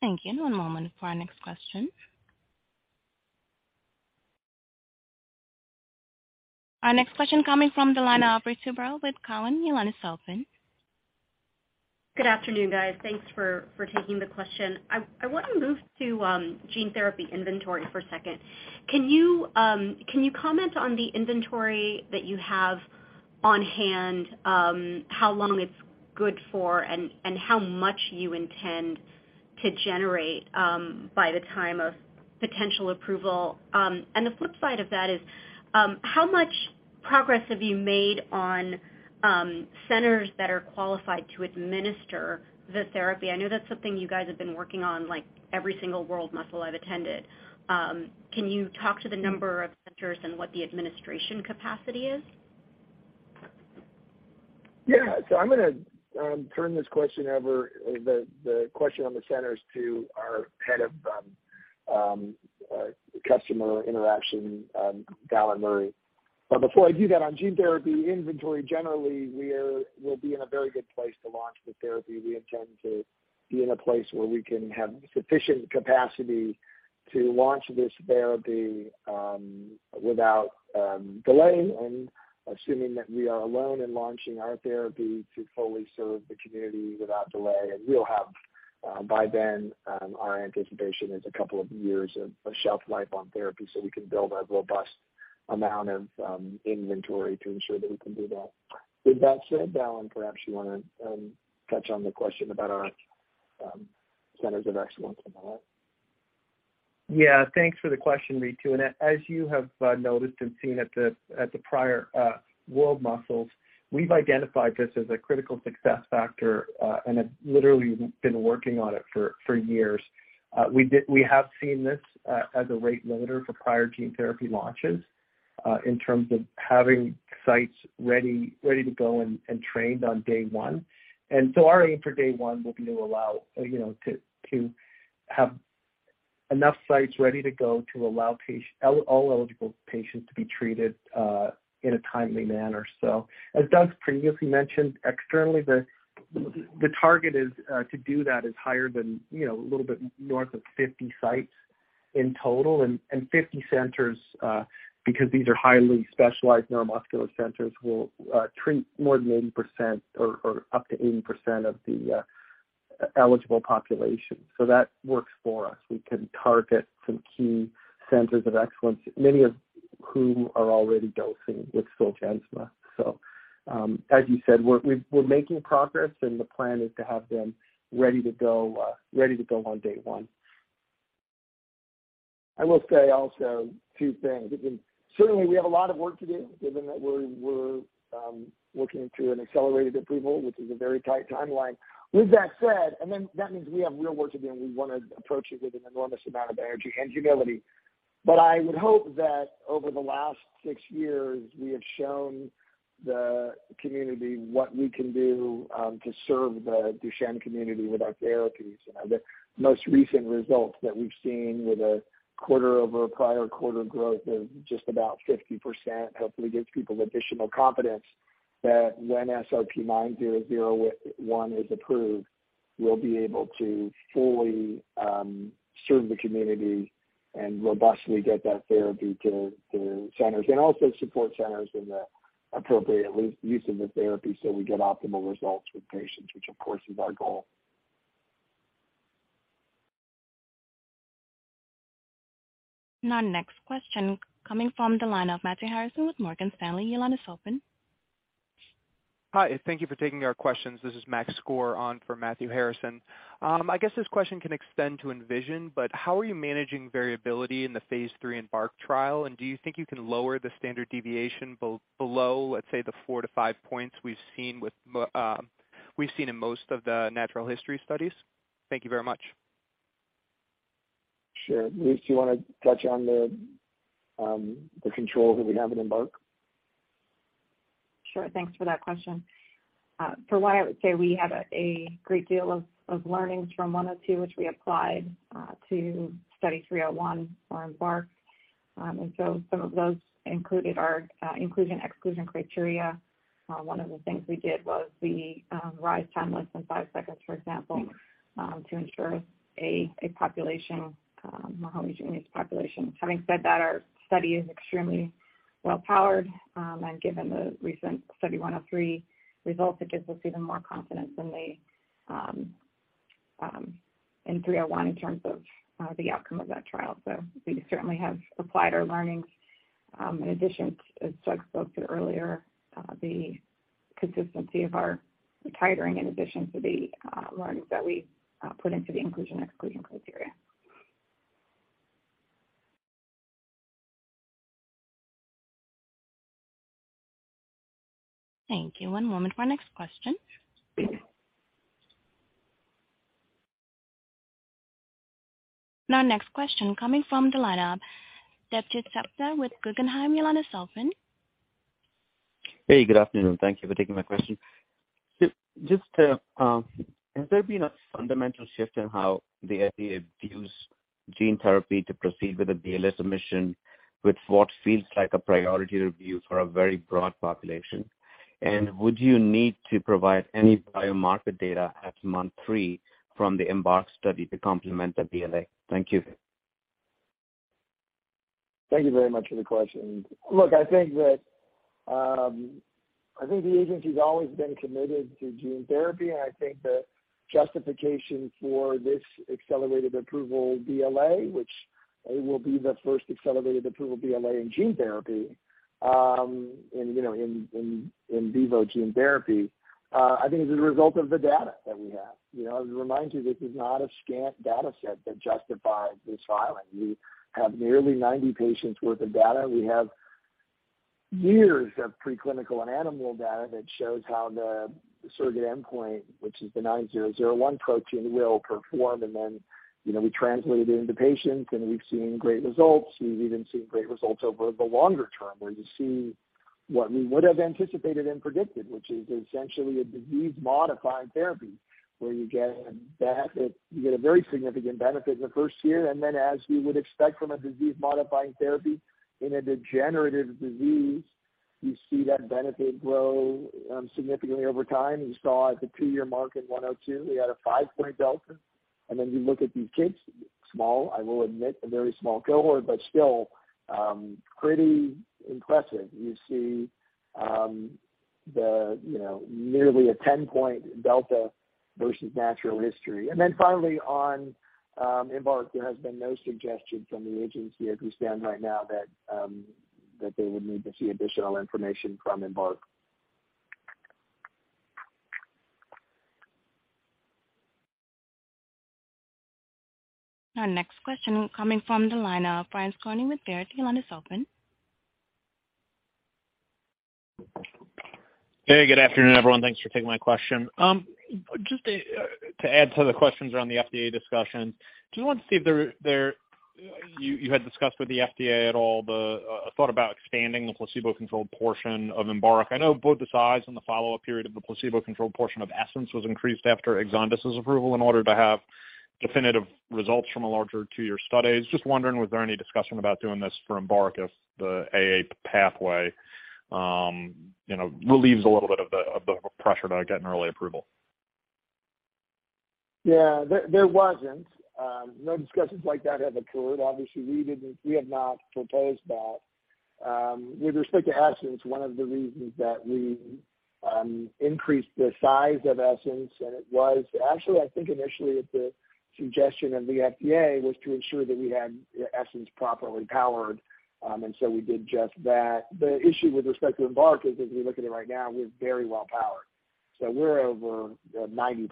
Thank you. One moment for our next question. Our next question coming from the line of Ritu Baral with Cowen. Your line is open. Good afternoon, guys. Thanks for taking the question. I wanna move to gene therapy inventory for a second. Can you comment on the inventory that you have on hand, how long it's good for, and how much you intend to generate by the time of potential approval? And the flip side of that is, how much progress have you made on centers that are qualified to administer the therapy? I know that's something you guys have been working on, like, every single World Muscle I've attended. Can you talk to the number of centers and what the administration capacity is? Yeah. I'm gonna turn this question over, the question on the centers to our head of customer interaction, Dallan Murray. But before I do that, on gene therapy inventory, generally, we'll be in a very good place to launch the therapy. We intend to be in a place where we can have sufficient capacity to launch this therapy, without delay and assuming that we are alone in launching our therapy to fully serve the community without delay. We'll have, by then, our anticipation is a couple of years of shelf life on therapy, so we can build a robust amount of inventory to ensure that we can do that. With that said, Dallan, perhaps you wanna touch on the question about our centers of excellence and all that. Yeah, thanks for the question, Ritu, and as you have noticed and seen at the prior World Muscle Society Congress, we've identified this as a critical success factor and have literally been working on it for years. We have seen this as a rate limiter for prior gene therapy launches in terms of having sites ready to go and trained on day one. Our aim for day one will be to allow, you know, to have enough sites ready to go to allow all eligible patients to be treated in a timely manner. As Doug previously mentioned, externally, the target to do that is higher than, you know, a little bit north of 50 sites in total. 50 centers, because these are highly specialized neuromuscular centers, will treat more than 80% or up to 80% of the eligible population. That works for us. We can target some key centers of excellence, many of whom are already dosing with Zolgensma. As you said, we're making progress, and the plan is to have them ready to go on day one. I will say also two things. Certainly, we have a lot of work to do, given that we're working through an accelerated approval, which is a very tight timeline. With that said, and then that means we have real work to do, and we wanna approach it with an enormous amount of energy and humility. I would hope that over the last six years, we have shown the community what we can do, to serve the Duchenne community with our therapies. The most recent results that we've seen with a quarter-over-prior-quarter growth of just about 50% hopefully gives people additional confidence that when SRP-9001 is approved, we'll be able to fully serve the community and robustly get that therapy to centers and also support centers in the appropriate use of the therapy so we get optimal results with patients, which of course is our goal. Now next question coming from the line of Matthew Harrison with Morgan Stanley. Your line is open. Hi, thank you for taking our questions. This is Max Skor on for Matthew Harrison. I guess this question can extend to ENVISION, but how are you managing variability in the phase III EMBARK trial? And do you think you can lower the standard deviation below, let's say, the 4-5 points we've seen in most of the natural history studies? Thank you very much. Sure. Louise, you wanna touch on the control that we have in EMBARK? Sure. Thanks for that question. For one, I would say we have a great deal of learnings from 102, which we applied to study 301 or EMBARK. Some of those included our inclusion/exclusion criteria. One of the things we did was rise time less than five seconds, for example, to ensure a homogeneous population. Having said that, our study is extremely well powered, given the recent study 103 results, it gives us even more confidence in 301 in terms of the outcome of that trial. We certainly have applied our learnings, in addition to, as Doug spoke to earlier, the consistency of our titering in addition to the learnings that we put into the inclusion/exclusion criteria. Thank you. One moment for our next question. Now next question coming from the line of Debjit Chattopadhyay with Guggenheim. Your line is open. Hey, good afternoon. Thank you for taking my question. Just has there been a fundamental shift in how the FDA views gene therapy to proceed with a BLA submission with what feels like a priority review for a very broad population? And would you need to provide any biomarker data at month three from the EMBARK study to complement the BLA? Thank you. Thank you very much for the question. Look, I think that the agency's always been committed to gene therapy, and I think the justification for this accelerated approval BLA, which it will be the first accelerated approval BLA in gene therapy, in vivo gene therapy, I think is a result of the data that we have. You know, to remind you, this is not a scant data set that justifies this filing. We have nearly 90 patients worth of data. We have years of preclinical and animal data that shows how the surrogate endpoint, which is the SRP-9001 protein will perform, and then, you know, we translate it into patients, and we've seen great results. We've even seen great results over the longer term, where you see what we would have anticipated and predicted, which is essentially a disease-modifying therapy, where you get a benefit, you get a very significant benefit in the first year. Then as you would expect from a disease-modifying therapy in a degenerative disease, you see that benefit grow significantly over time. You saw at the two-year mark in 102, we had a five-point delta. Then you look at these kids, small, I will admit, a very small cohort, but still, pretty impressive. You see, the, you know, nearly a 10-point delta versus natural history. Then finally on EMBARK, there has been no suggestion from the agency as we stand right now that they would need to see additional information from EMBARK. Our next question coming from the line of Brian Skorney with Baird, your line is open. Hey, good afternoon, everyone. Thanks for taking my question. Just to add to the questions around the FDA discussion, just wanted to see if you had discussed with the FDA at all the thought about expanding the placebo-controlled portion of EMBARK. I know both the size and the follow-up period of the placebo-controlled portion of ESSENCE was increased after EXONDYS 51's approval in order to have definitive results from a larger two-year study. Just wondering, was there any discussion about doing this for EMBARK if the AA pathway you know relieves a little bit of the pressure to get an early approval? Yeah. There wasn't no discussions like that have occurred. Obviously, we didn't, we have not proposed that. With respect to ESSENCE, one of the reasons that we increased the size of ESSENCE, and it was actually, I think, initially at the suggestion of the FDA, was to ensure that we had ESSENCE properly powered, and so we did just that. The issue with respect to EMBARK is, as we look at it right now, we're very well powered. We're over 90%,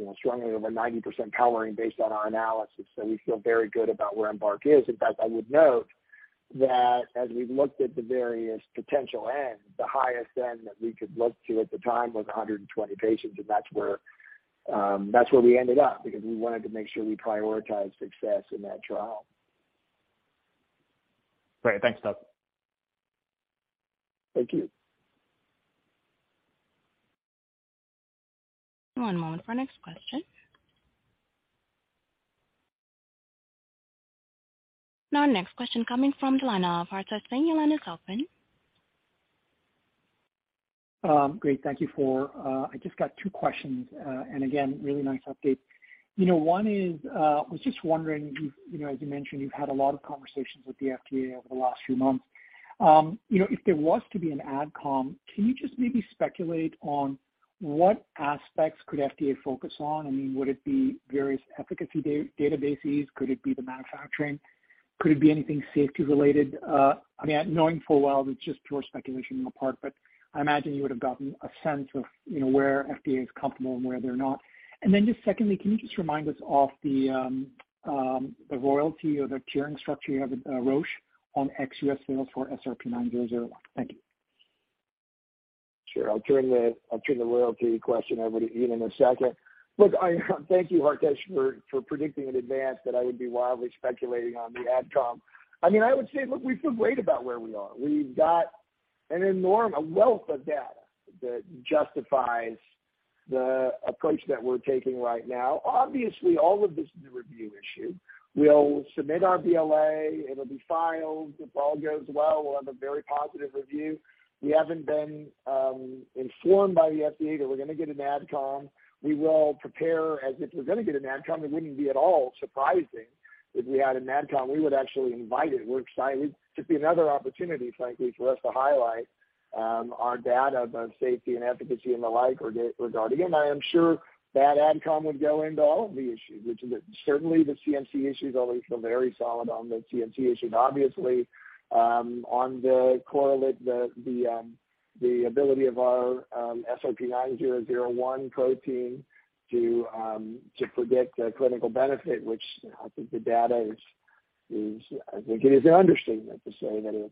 you know, strongly over 90% powering based on our analysis. We feel very good about where EMBARK is. In fact, I would note that as we've looked at the various potential N, the highest N that we could look to at the time was 120 patients, and that's where we ended up, because we wanted to make sure we prioritized success in that trial. Great. Thanks, Doug. Thank you. One moment for next question. Our next question coming from the line of Hartaj. Your line is open. Great. Thank you. I just got two questions, and again, really nice update. You know, one is I was just wondering, you've you know, as you mentioned, you've had a lot of conversations with the FDA over the last few months. You know, if there was to be an ad com, can you just maybe speculate on what aspects could FDA focus on? I mean, would it be various efficacy databases? Could it be the manufacturing? Could it be anything safety related? I mean, knowing full well it's just pure speculation on your part, but I imagine you would have gotten a sense of you know, where FDA is comfortable and where they're not. Just secondly, can you just remind us of the royalty or the tiering structure you have with Roche on ex-U.S. sales for SRP-9001? Thank you. Sure. I'll turn the royalty question over to Ian in a second. Look, I thank you, Hartaj, for predicting in advance that I would be wildly speculating on the ad com. I mean, I would say, look, we feel great about where we are. We've got a wealth of data that justifies the approach that we're taking right now. Obviously, all of this is a review issue. We'll submit our BLA. It'll be filed. If all goes well, we'll have a very positive review. We haven't been informed by the FDA that we're gonna get an ad com. We will prepare as if we're gonna get an ad com. It wouldn't be at all surprising if we had an ad com. We would actually invite it. We're excited. It'd be another opportunity, frankly, for us to highlight our data, both safety and efficacy and the like regarding. I am sure that AdCom would go into all of the issues, which is certainly the CMC issues, although we feel very solid on the CMC issues. Obviously, on the correlate, the ability of our SRP-9001 protein to predict a clinical benefit, which I think the data is. I think it is an understatement to say that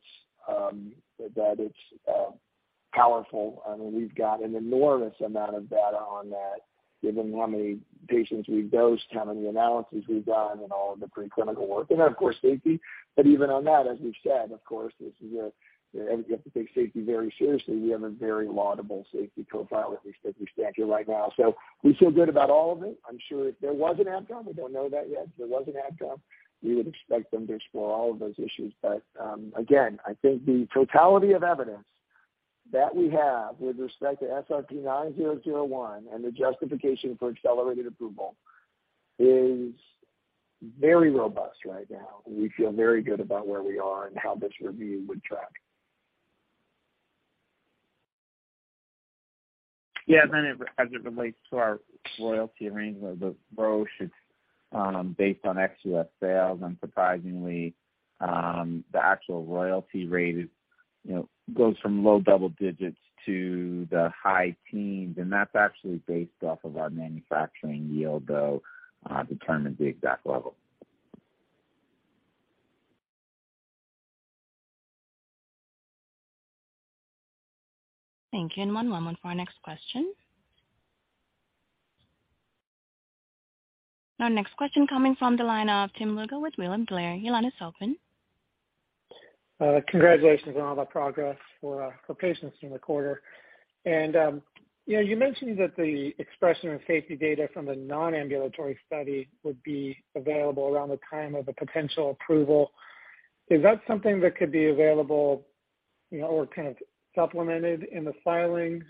it's powerful. I mean, we've got an enormous amount of data on that, given how many patients we've dosed, how many analyses we've done and all of the preclinical work and, of course, safety. But even on that, as we've said, of course, this is a, you have to take safety very seriously. We have a very laudable safety profile at least as we stand here right now. We feel good about all of it. I'm sure if there was an ad com, we don't know that yet. If there was an ad com, we would expect them to explore all of those issues. Again, I think the totality of evidence that we have with respect to SRP-9001 and the justification for accelerated approval is very robust right now. We feel very good about where we are and how this review would track. Yeah. As it relates to our royalty arrangement with Roche, it's based on ex-U.S. sales. Unsurprisingly, the actual royalty rate is, you know, goes from low double digits to the high teens, and that's actually based off of our manufacturing yield that determines the exact level. Thank you. One moment for our next question. Our next question coming from the line of Tim Lugo with William Blair. Your line is open. Congratulations on all the progress for patients during the quarter. You know, you mentioned that the expression of safety data from the non-ambulatory study would be available around the time of a potential approval. Is that something that could be available, you know, or kind of supplemented in the filings?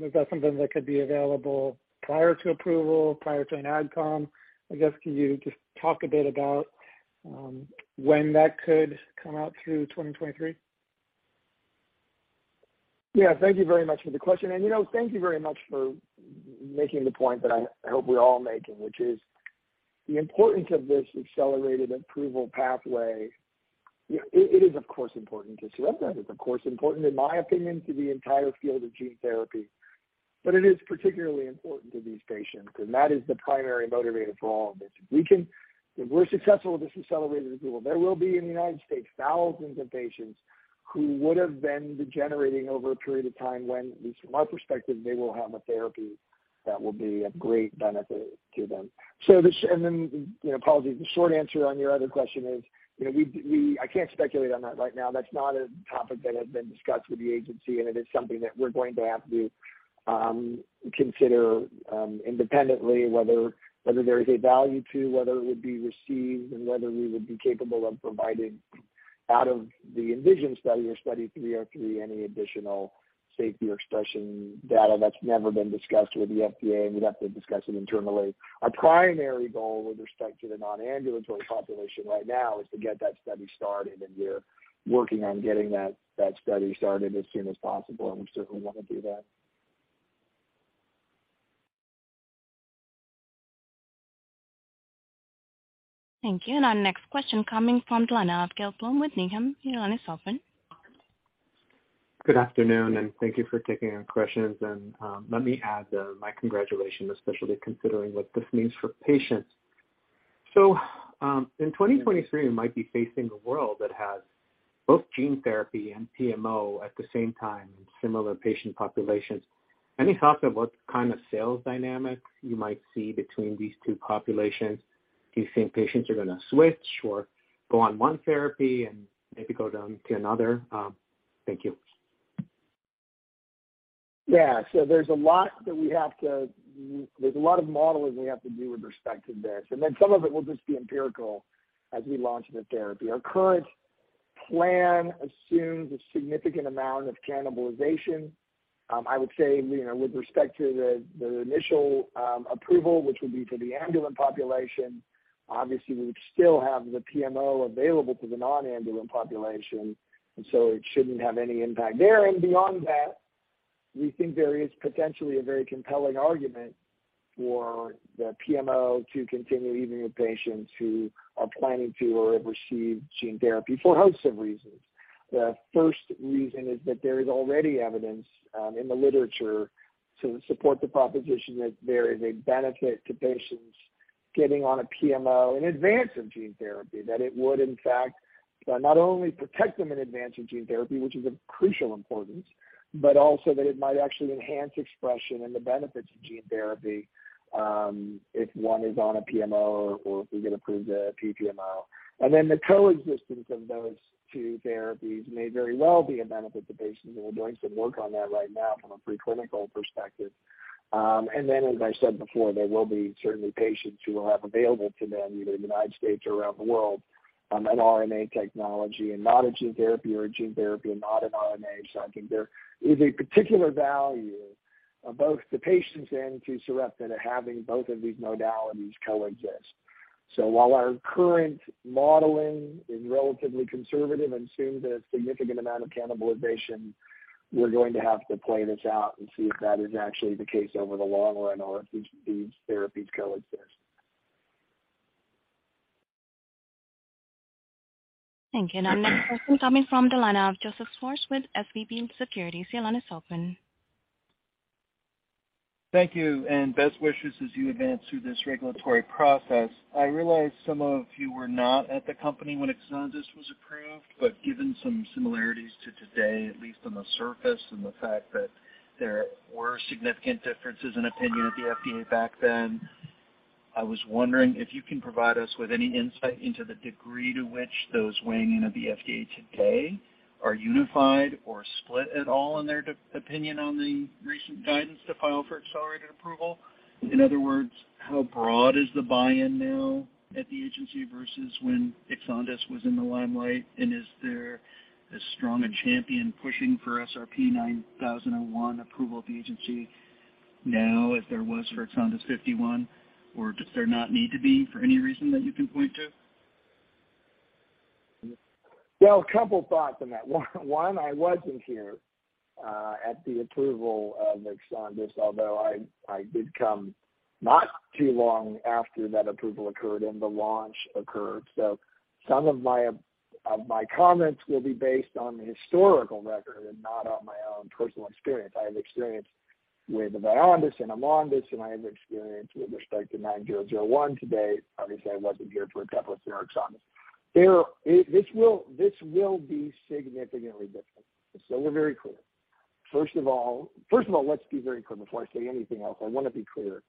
Is that something that could be available prior to approval, prior to an ad com? I guess, can you just talk a bit about when that could come out through 2023? Yeah, thank you very much for the question. You know, thank you very much for making the point that I hope we're all making, which is the importance of this accelerated approval pathway. Yeah, it is of course important to Sarepta. It's of course important in my opinion to the entire field of gene therapy. It is particularly important to these patients, and that is the primary motivator for all of this. If we're successful with this accelerated approval, there will be in the United States thousands of patients who would've been degenerating over a period of time when, at least from my perspective, they will have a therapy that will be of great benefit to them. This, and then, you know, apologies. The short answer on your other question is, you know, we, I can't speculate on that right now. That's not a topic that has been discussed with the agency, and it is something that we're going to have to consider independently whether there is a value to whether it would be received, and whether we would be capable of providing out of the ENVISION study or Study 303 any additional safety or expression data. That's never been discussed with the FDA, and we'd have to discuss it internally. Our primary goal with respect to the non-ambulatory population right now is to get that study started, and we're working on getting that study started as soon as possible, and we certainly wanna do that. Thank you. Our next question coming from the line of Gil Blum with Needham & Company. Your line is open. Good afternoon, and thank you for taking our questions. Let me add my congratulations, especially considering what this means for patients. In 2023 you might be facing a world that has both gene therapy and PMO at the same time in similar patient populations. Any thoughts on what kind of sales dynamics you might see between these two populations? Do you think patients are gonna switch or go on one therapy and maybe go down to another? Thank you. Yeah. There's a lot of modeling we have to do with respect to this, and then some of it will just be empirical as we launch the therapy. Our current plan assumes a significant amount of cannibalization. I would say, you know, with respect to the initial approval, which would be for the ambulant population, obviously we would still have the PMO available to the non-ambulant population, and so it shouldn't have any impact there. Beyond that, we think there is potentially a very compelling argument for the PMO to continue even with patients who are planning to or have received gene therapy for a host of reasons. The first reason is that there is already evidence in the literature to support the proposition that there is a benefit to patients getting on a PMO in advance of gene therapy, that it would in fact not only protect them in advance of gene therapy, which is of crucial importance, but also that it might actually enhance expression and the benefits of gene therapy, if one is on a PMO or if we get approved a PMO. Then the coexistence of those two therapies may very well be a benefit to patients, and we're doing some work on that right now from a pre-clinical perspective. As I said before, there will be certainly patients who will have available to them, either in the United States or around the world, an RNA technology and not a gene therapy or a gene therapy and not an RNA. I think there is a particular value, both to patients and to Sarepta to having both of these modalities coexist. While our current modeling is relatively conservative and assumes a significant amount of cannibalization, we're going to have to play this out and see if that is actually the case over the long run or if these therapies coexist. Thank you. Our next question coming from the line of Joseph Schwartz with SVB Securities. Your line is open. Thank you, and best wishes as you advance through this regulatory process. I realize some of you were not at the company when EXONDYS 51 was approved, given some similarities to today, at least on the surface, and the fact that there were significant differences in opinion at the FDA back then, I was wondering if you can provide us with any insight into the degree to which those weighing in at the FDA today are unified or split at all in their opinion on the recent guidance to file for accelerated approval. In other words, how broad is the buy-in now at the agency versus when EXONDYS 51 was in the limelight? Is there as strong a champion pushing for SRP-9001 approval at the agency now as there was for EXONDYS 51, or does there not need to be for any reason that you can point to? A couple thoughts on that. One, I wasn't here at the approval of EXONDYS 51, although I did come not too long after that approval occurred and the launch occurred. Some of my comments will be based on the historical record and not on my own personal experience. I have experienced with the VYONDYS 53 and AMONDYS 45 and my experience with respect to SRP-9001 today. Obviously I wasn't here for a couple of years on this. This will be significantly different, so we're very clear. First of all, let's be very clear before I say anything else. I wanna be clear.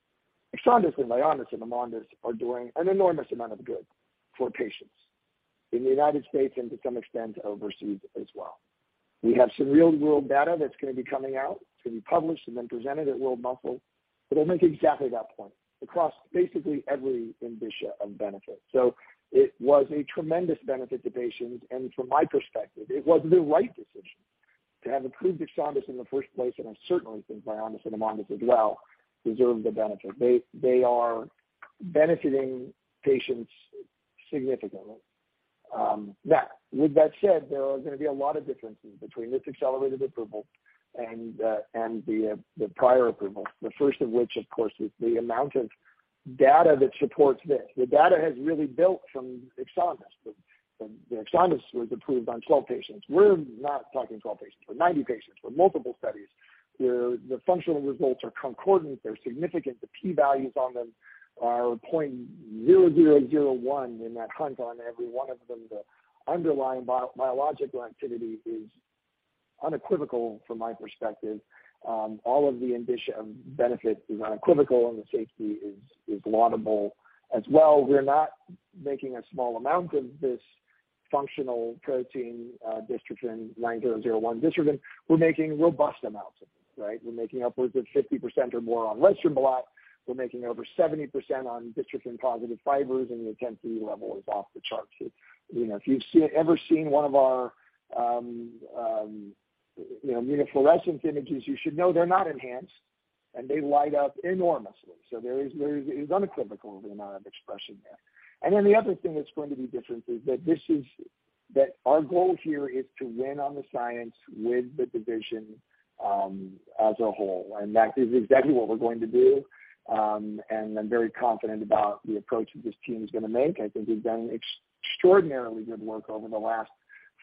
EXONDYS 51 and VYONDYS 53 and AMONDYS 45 are doing an enormous amount of good for patients in the United States and to some extent overseas as well. We have some real-world data that's gonna be coming out, it's gonna be published and then presented at World Muscle, that'll make exactly that point across basically every dimension of benefit. It was a tremendous benefit to patients, and from my perspective, it was the right decision to have approved EXONDYS in the first place, and I certainly think VYONDYS and AMONDYS as well deserve the benefit. They are benefiting patients significantly. With that said, there are gonna be a lot of differences between this accelerated approval and the prior approval. The first of which, of course, is the amount of data that supports this. The data has really built from EXONDYS. The EXONDYS was approved on 12 patients. We're not talking 12 patients, we're 90 patients. We're multiple studies. The functional results are concordant, they're significant. The P values on them are 0.0001 and that, on every one of them. The underlying biological activity is unequivocal from my perspective. All of the magnitude of benefit is unequivocal and the safety is laudable as well. We're not making a small amount of this functional protein, dystrophin, SRP-9001 dystrophin. We're making robust amounts of it, right? We're making upwards of 50% or more on western blot. We're making over 70% on dystrophin-positive fibers, and the expression level is off the charts. You know, if you've ever seen one of our, you know, immunofluorescence images, you should know they're not enhanced, and they light up enormously. There is unequivocal the amount of expression there. Then the other thing that's going to be different is that this is That our goal here is to win on the science with the division, as a whole, and that is exactly what we're going to do. I'm very confident about the approach that this team is gonna make. I think we've done extraordinarily good work over the last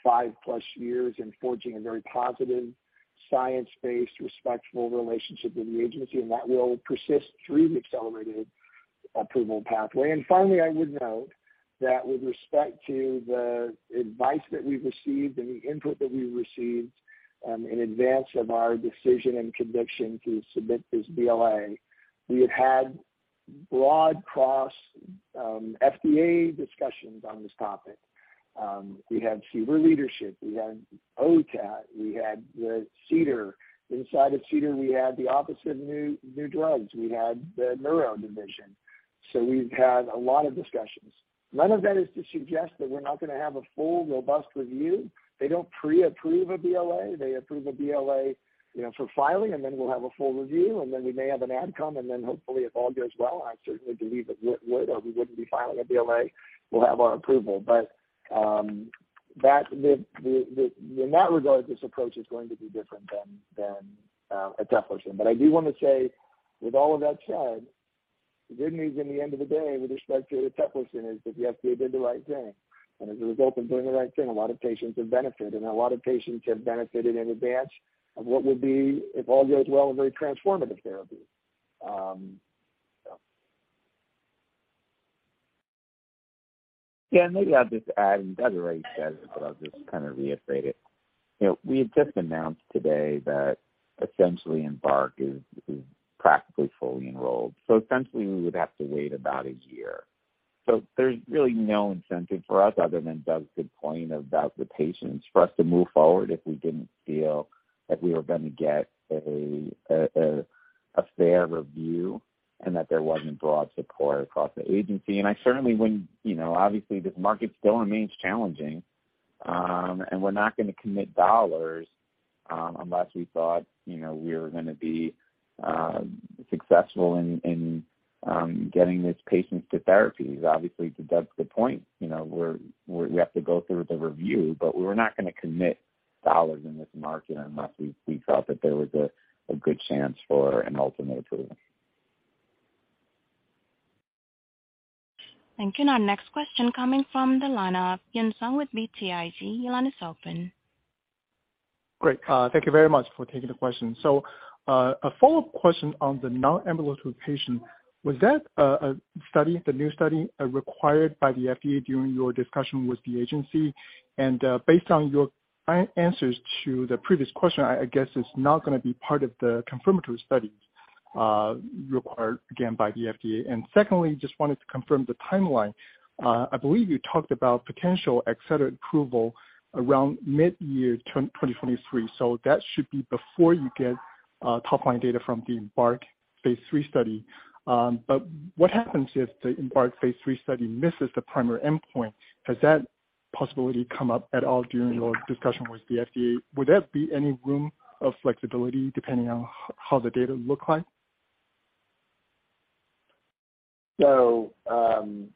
five-plus years in forging a very positive, science-based, respectful relationship with the agency, and that will persist through the accelerated approval pathway. Finally, I would note that with respect to the advice that we've received and the input that we've received, in advance of our decision and conviction to submit this BLA, we have had broad cross-FDA discussions on this topic. We had senior leadership, we had OTAT, we had the CDER. Inside of CDER, we had the Office of New Drugs. We had the Neuro Division. We've had a lot of discussions. None of that is to suggest that we're not gonna have a full, robust review. They don't pre-approve a BLA. They approve a BLA, you know, for filing, and then we'll have a full review, and then we may have an AdCom, and then hopefully it all goes well. I certainly believe it would, or we wouldn't be filing a BLA. We'll have our approval. In that regard, this approach is going to be different than EXONDYS. I do wanna say, with all of that said, the good news at the end of the day with respect to EXONDYS is that, yes, we did the right thing. As a result of doing the right thing, a lot of patients have benefited in advance of what will be, if all goes well, a very transformative therapy. Yeah, maybe I'll just add, and Doug already said it, but I'll just kind of reiterate it. You know, we had just announced today that essentially EMBARK is practically fully enrolled, so essentially we would have to wait about a year. There's really no incentive for us other than Doug's good point about the patients for us to move forward if we didn't feel that we were gonna get a fair review and that there wasn't broad support across the agency. I certainly wouldn't. You know, obviously this market still remains challenging, and we're not gonna commit dollars, unless we thought, you know, we were gonna be successful in getting these patients to therapy. Obviously, to Doug's good point, you know, we have to go through the review, but we're not gonna commit dollars in this market unless we felt that there was a good chance for an ultimate approval. Thank you. Our next question coming from the line of Yun Zhong with BTIG. Your line is open. Great. Thank you very much for taking the question. A follow-up question on the non-ambulatory patient. Was that a study, the new study, required by the FDA during your discussion with the agency? Based on your answers to the previous question, I guess it's not gonna be part of the confirmatory studies required again by the FDA. Secondly, just wanted to confirm the timeline. I believe you talked about potential accelerated approval around mid-year 2023. That should be before you get top line data from the EMBARK phase III study. What happens if the EMBARK phase III study misses the primary endpoint? Has that possibility come up at all during your discussion with the FDA? Would that be any room for flexibility depending on how the data look like? On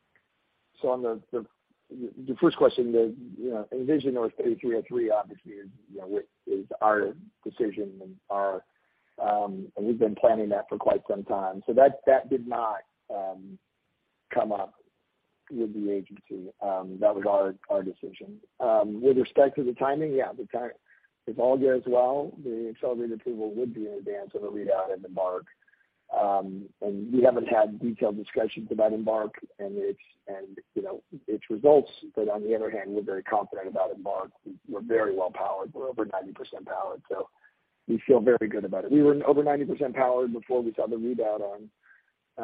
your first question, you know, ENVISION or Study 303 obviously is, you know, is our decision and our. We've been planning that for quite some time. That did not come up with the agency, that was our decision. With respect to the timing, yeah, if all goes well, the accelerated approval would be in advance of a readout at EMBARK. We haven't had detailed discussions about EMBARK and you know, its results. On the other hand, we're very confident about EMBARK. We're very well powered. We're over 90% powered, so we feel very good about it. We were over 90% powered before we saw the readout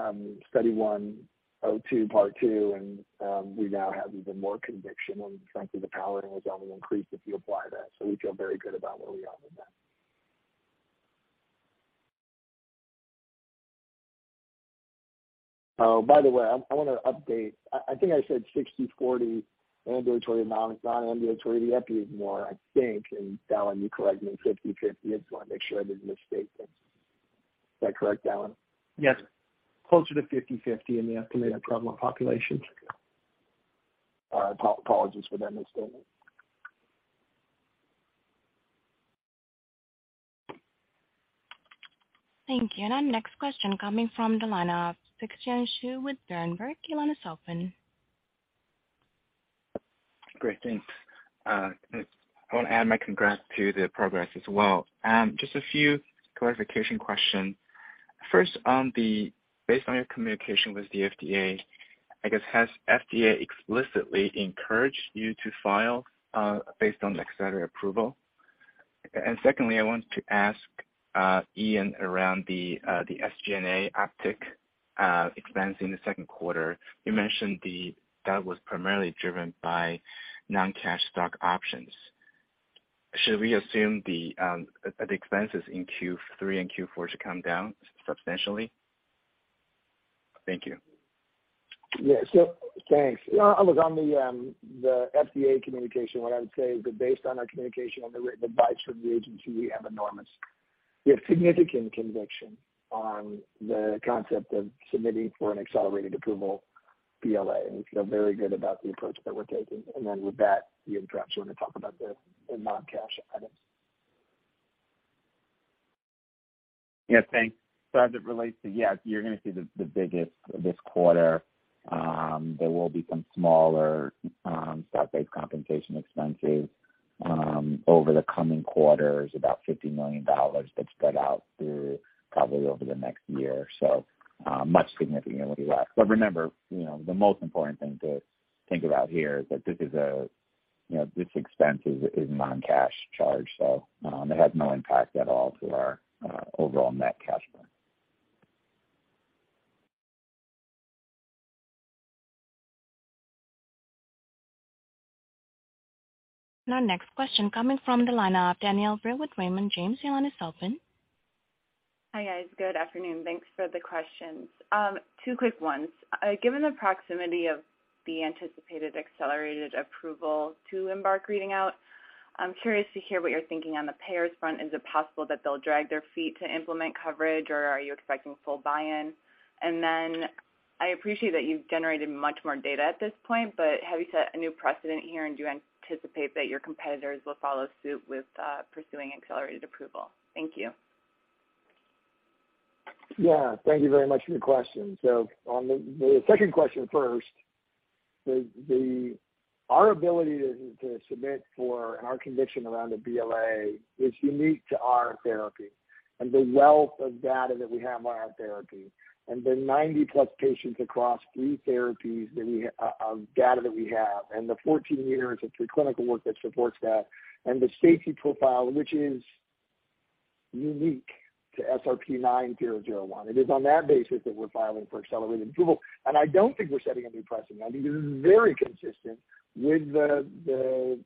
on study 102, part two, and we now have even more conviction and frankly the powering has only increased if you apply that. We feel very good about where we are with that. By the way, I wanna update. I think I said 60/40 ambulatory and non-ambulatory EP is more, I think, and Dallan you correct me, 50/50. I just wanna make sure I didn't misstate that. Is that correct, Dallan? Yes. Closer to 50/50 in the estimated prevalent populations. Apologies for that misstatement. Thank you. Our next question coming from the line of Zhiqiang Shu with Berenberg. Your line is open. Great, thanks. I wanna add my congrats to the progress as well. Just a few clarification questions. First, based on your communication with the FDA, I guess has FDA explicitly encouraged you to file based on the accelerated approval? And secondly, I want to ask, Ian, around the SG&A uptick expense in the second quarter. You mentioned that was primarily driven by non-cash stock options. Should we assume the expenses in Q3 and Q4 to come down substantially? Thank you. Yeah. Thanks. Yeah, look, on the FDA communication, what I would say is that based on our communication and the written advice from the agency, we have significant conviction on the concept of submitting for an accelerated approval BLA, and we feel very good about the approach that we're taking. Then with that, Ian Estepan wants to talk about the non-cash items. Yeah, thanks. Yes, you're gonna see the biggest this quarter, there will be some smaller stock-based compensation expenses over the coming quarters, about $50 million, but spread out through probably over the next year or so. Much significantly less. Remember, you know, the most important thing to think about here is that this is a, you know, this expense is non-cash charge, so it has no impact at all to our overall net cash burn. Our next question coming from the line of Danielle Brill with Raymond James. Your line is open. Hi, guys. Good afternoon. Thanks for the questions. Two quick ones. Given the proximity of the anticipated accelerated approval to EMBARK reading out, I'm curious to hear what you're thinking on the payers front. Is it possible that they'll drag their feet to implement coverage, or are you expecting full buy-in? I appreciate that you've generated much more data at this point, but have you set a new precedent here, and do you anticipate that your competitors will follow suit with pursuing accelerated approval? Thank you. Yeah, thank you very much for the question. On the second question first, our ability to submit for and our conviction around a BLA is unique to our therapy and the wealth of data that we have on our therapy, and the 90-plus patients across three therapies data that we have, and the 14 years of pre-clinical work that supports that, and the safety profile, which is unique to SRP-9001. It is on that basis that we're filing for accelerated approval, and I don't think we're setting a new precedent. I think this is very consistent with the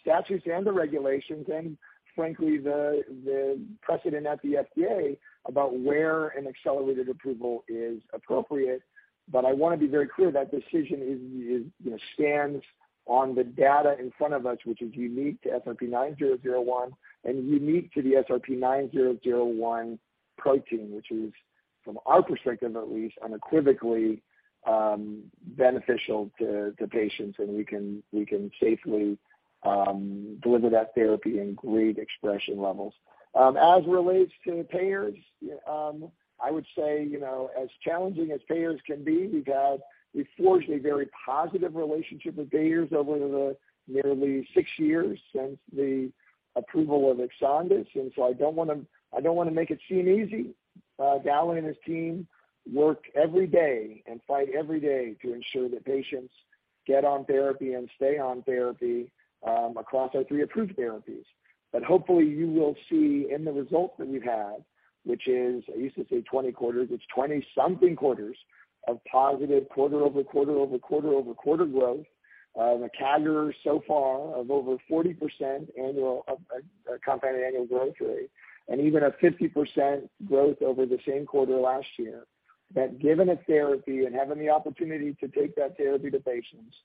statutes and the regulations and frankly, the precedent at the FDA about where an accelerated approval is appropriate. I wanna be very clear, that decision is, you know, stands on the data in front of us, which is unique to SRP-9001 and unique to the SRP-9001 protein, which is, from our perspective at least, unequivocally, beneficial to patients, and we can safely deliver that therapy in great expression levels. As relates to payers, I would say, you know, as challenging as payers can be, we've forged a very positive relationship with payers over the nearly six years since the approval of EXONDYS. I don't wanna make it seem easy. Dallan and his team work every day and fight every day to ensure that patients get on therapy and stay on therapy, across our three approved therapies. Hopefully you will see in the results that we've had, which is, I used to say 20 quarters, it's 20-something quarters of positive quarter over quarter over quarter over quarter growth, a CAGR so far of over 40% annual, compounded annual growth rate and even a 50% growth over the same quarter last year. That given a therapy and having the opportunity to take that therapy to patients,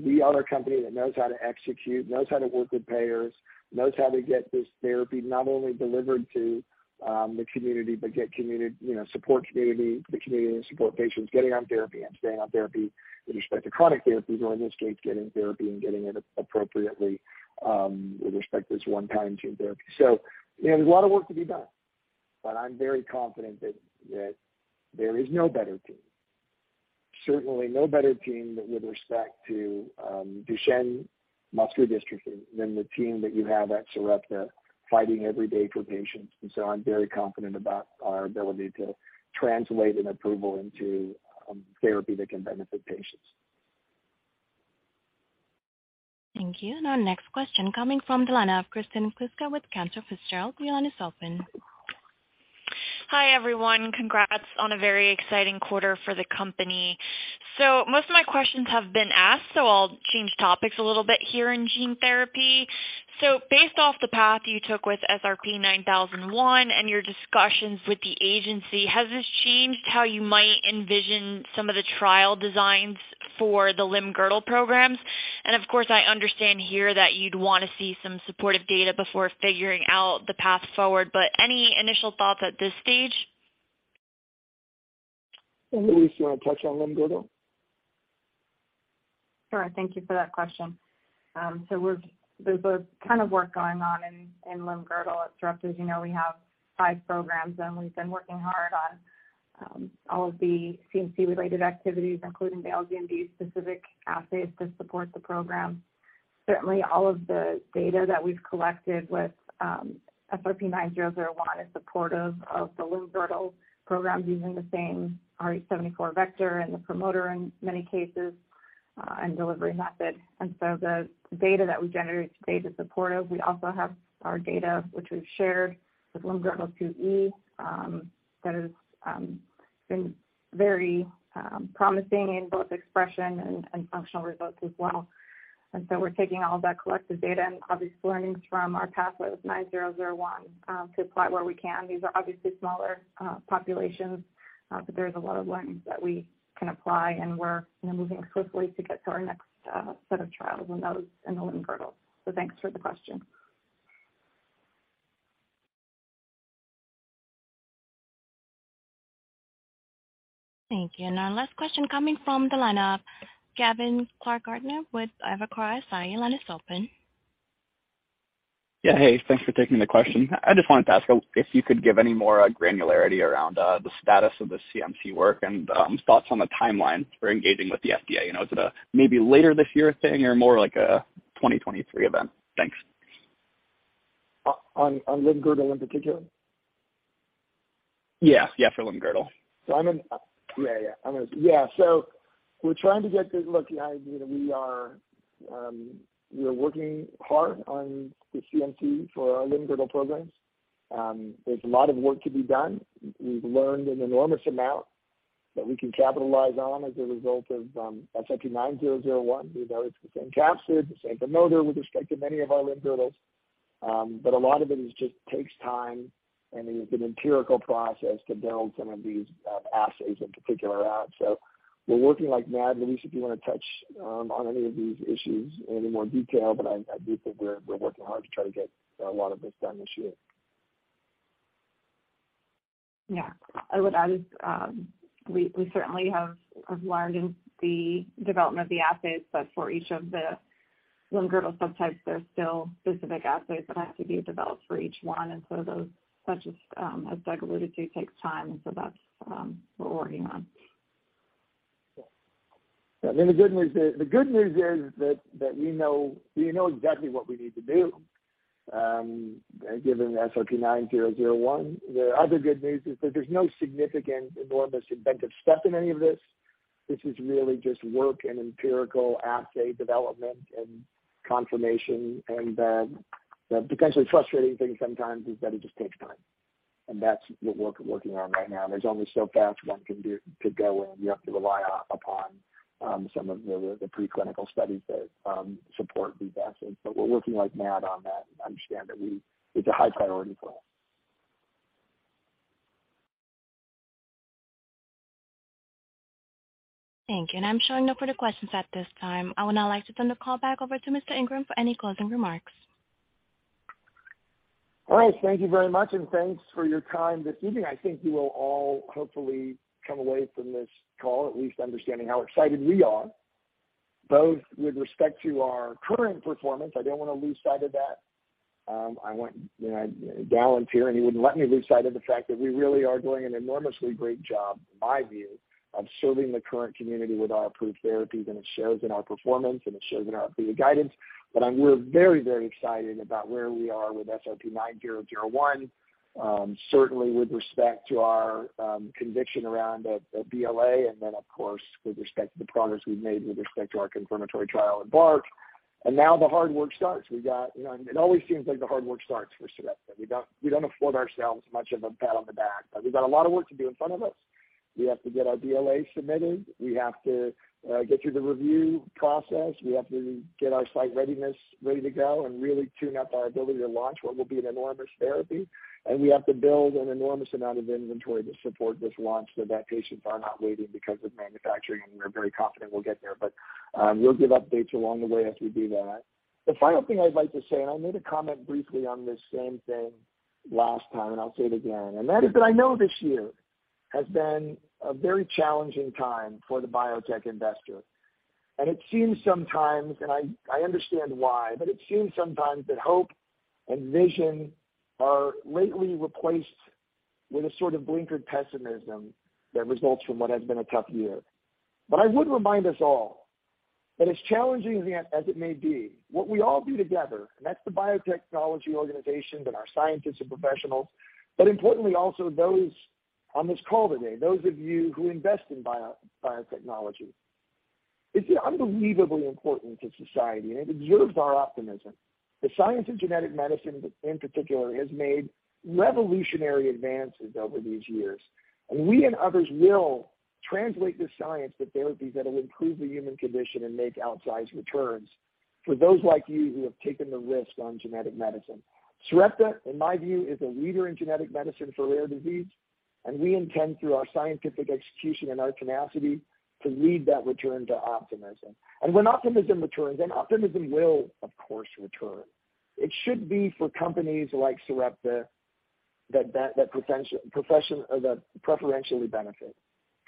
we are a company that knows how to execute, knows how to work with payers, knows how to get this therapy not only delivered to the community, but, you know, support community, the community, and support patients getting on therapy and staying on therapy with respect to chronic therapies or in this case, getting therapy and getting it appropriately, with respect to this one-time gene therapy. You know, there's a lot of work to be done. I'm very confident that there is no better team. Certainly no better team with respect to Duchenne muscular dystrophy than the team that you have at Sarepta fighting every day for patients. I'm very confident about our ability to translate an approval into therapy that can benefit patients. Thank you. Our next question coming from the line of Kristen Kluska with Cantor Fitzgerald. The line is open. Hi, everyone. Congrats on a very exciting quarter for the company. Most of my questions have been asked, so I'll change topics a little bit here in gene therapy. Based off the path you took with SRP-9001 and your discussions with the agency, has this changed how you might envision some of the trial designs for the limb-girdle programs? Of course, I understand here that you'd wanna see some supportive data before figuring out the path forward, but any initial thoughts at this stage? Louise, you wanna touch on limb-girdle? Sure. Thank you for that question. There's a ton of work going on in limb-girdle. At Sarepta, as you know, we have five programs, and we've been working hard on all of the CMC-related activities, including the LGMD specific assays to support the program. Certainly, all of the data that we've collected with SRP-9001 is supportive of the limb-girdle program using the same rh74 vector and the promoter in many cases and delivery method. The data that we generate to date is supportive. We also have our data, which we've shared with limb-girdle 2E, that has been very promising in both expression and functional results as well. We're taking all that collective data and obvious learnings from our pathway with SRP-9001 to apply where we can. These are obviously smaller populations, but there's a lot of learnings that we can apply, and we're, you know, moving swiftly to get to our next set of trials and those in the limb-girdle. Thanks for the question. Thank you. Our last question coming from the line of Gavin Clark-Gartner with Evercore ISI. Your line is open. Yeah, hey. Thanks for taking the question. I just wanted to ask if you could give any more granularity around the status of the CMC work and thoughts on the timeline for engaging with the FDA. You know, is it a maybe later this year thing or more like a 2023 event? Thanks. On limb-girdle in particular? Yeah, for limb-girdle. We're trying to get good look. You know, we are working hard on the CMC for our limb-girdle programs. There's a lot of work to be done. We've learned an enormous amount that we can capitalize on as a result of SRP-9001. These are the same capsid, the same promoter with respect to many of our limb-girdle. But a lot of it is just takes time, and it's an empirical process to build some of these assays in particular out. We're working like mad. Louise, if you wanna touch on any of these issues in any more detail, but I do think we're working hard to try to get a lot of this done this year. Yeah. I would add is, we certainly have learned in the development of the assays that for each of the limb-girdle subtypes, there's still specific assays that have to be developed for each one. Those, such as Doug alluded to, takes time, and so that's what we're working on. Yeah. The good news is that we know exactly what we need to do, given SRP-9001. The other good news is that there's no significant enormous inventive step in any of this. This is really just work and empirical assay development and confirmation. The potentially frustrating thing sometimes is that it just takes time, and that's what we're working on right now. There's only so fast one can go, and you have to rely upon some of the preclinical studies that support these assays. We're working like mad on that and understand that it's a high priority for us. Thank you. I'm showing no further questions at this time. I would now like to turn the call back over to Mr. Ingram for any closing remarks. All right. Thank you very much, and thanks for your time this evening. I think you will all hopefully come away from this call at least understanding how excited we are, both with respect to our current performance. I don't wanna lose sight of that. I went, you know, Dallan Murray, and he wouldn't let me lose sight of the fact that we really are doing an enormously great job, in my view, of serving the current community with our approved therapies, and it shows in our performance, and it shows in our future guidance. I'm really very, very excited about where we are with SRP-9001, certainly with respect to our conviction around a BLA, and then of course, with respect to the progress we've made with respect to our confirmatory trial, EMBARK. Now the hard work starts. You know, it always seems like the hard work starts for Sarepta. We don't afford ourselves much of a pat on the back. We got a lot of work to do in front of us. We have to get our BLA submitted. We have to get through the review process. We have to get our site readiness ready to go and really tune up our ability to launch what will be an enormous therapy. We have to build an enormous amount of inventory to support this launch so that patients are not waiting because of manufacturing, and we're very confident we'll get there. We'll give updates along the way as we do that. The final thing I'd like to say, and I made a comment briefly on this same thing last time, and I'll say it again, and that is that I know this year has been a very challenging time for the biotech investor. It seems sometimes, and I understand why, but it seems sometimes that hope and vision are lately replaced with a sort of blinkered pessimism that results from what has been a tough year. I would remind us all that as challenging as it may be, what we all do together, and that's the biotechnology organizations and our scientists and professionals, but importantly also those on this call today, those of you who invest in biotechnology, it's unbelievably important to society, and it deserves our optimism. The science of genetic medicine in particular has made revolutionary advances over these years, and we and others will translate this science to therapies that will improve the human condition and make outsized returns for those like you who have taken the risk on genetic medicine. Sarepta, in my view, is a leader in genetic medicine for rare disease, and we intend, through our scientific execution and our tenacity, to lead that return to optimism. When optimism returns, and optimism will, of course, return, it should be for companies like Sarepta that preferentially benefit.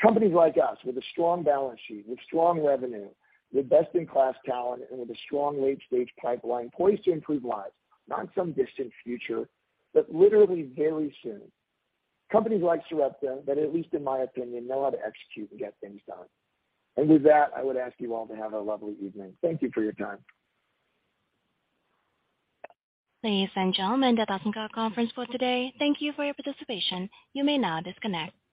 Companies like us with a strong balance sheet, with strong revenue, with best-in-class talent, and with a strong late-stage pipeline poised to improve lives, not in some distant future, but literally very soon. Companies like Sarepta that, at least in my opinion, know how to execute and get things done. With that, I would ask you all to have a lovely evening. Thank you for your time. Ladies and gentlemen, that does end our conference for today. Thank you for your participation. You may now disconnect.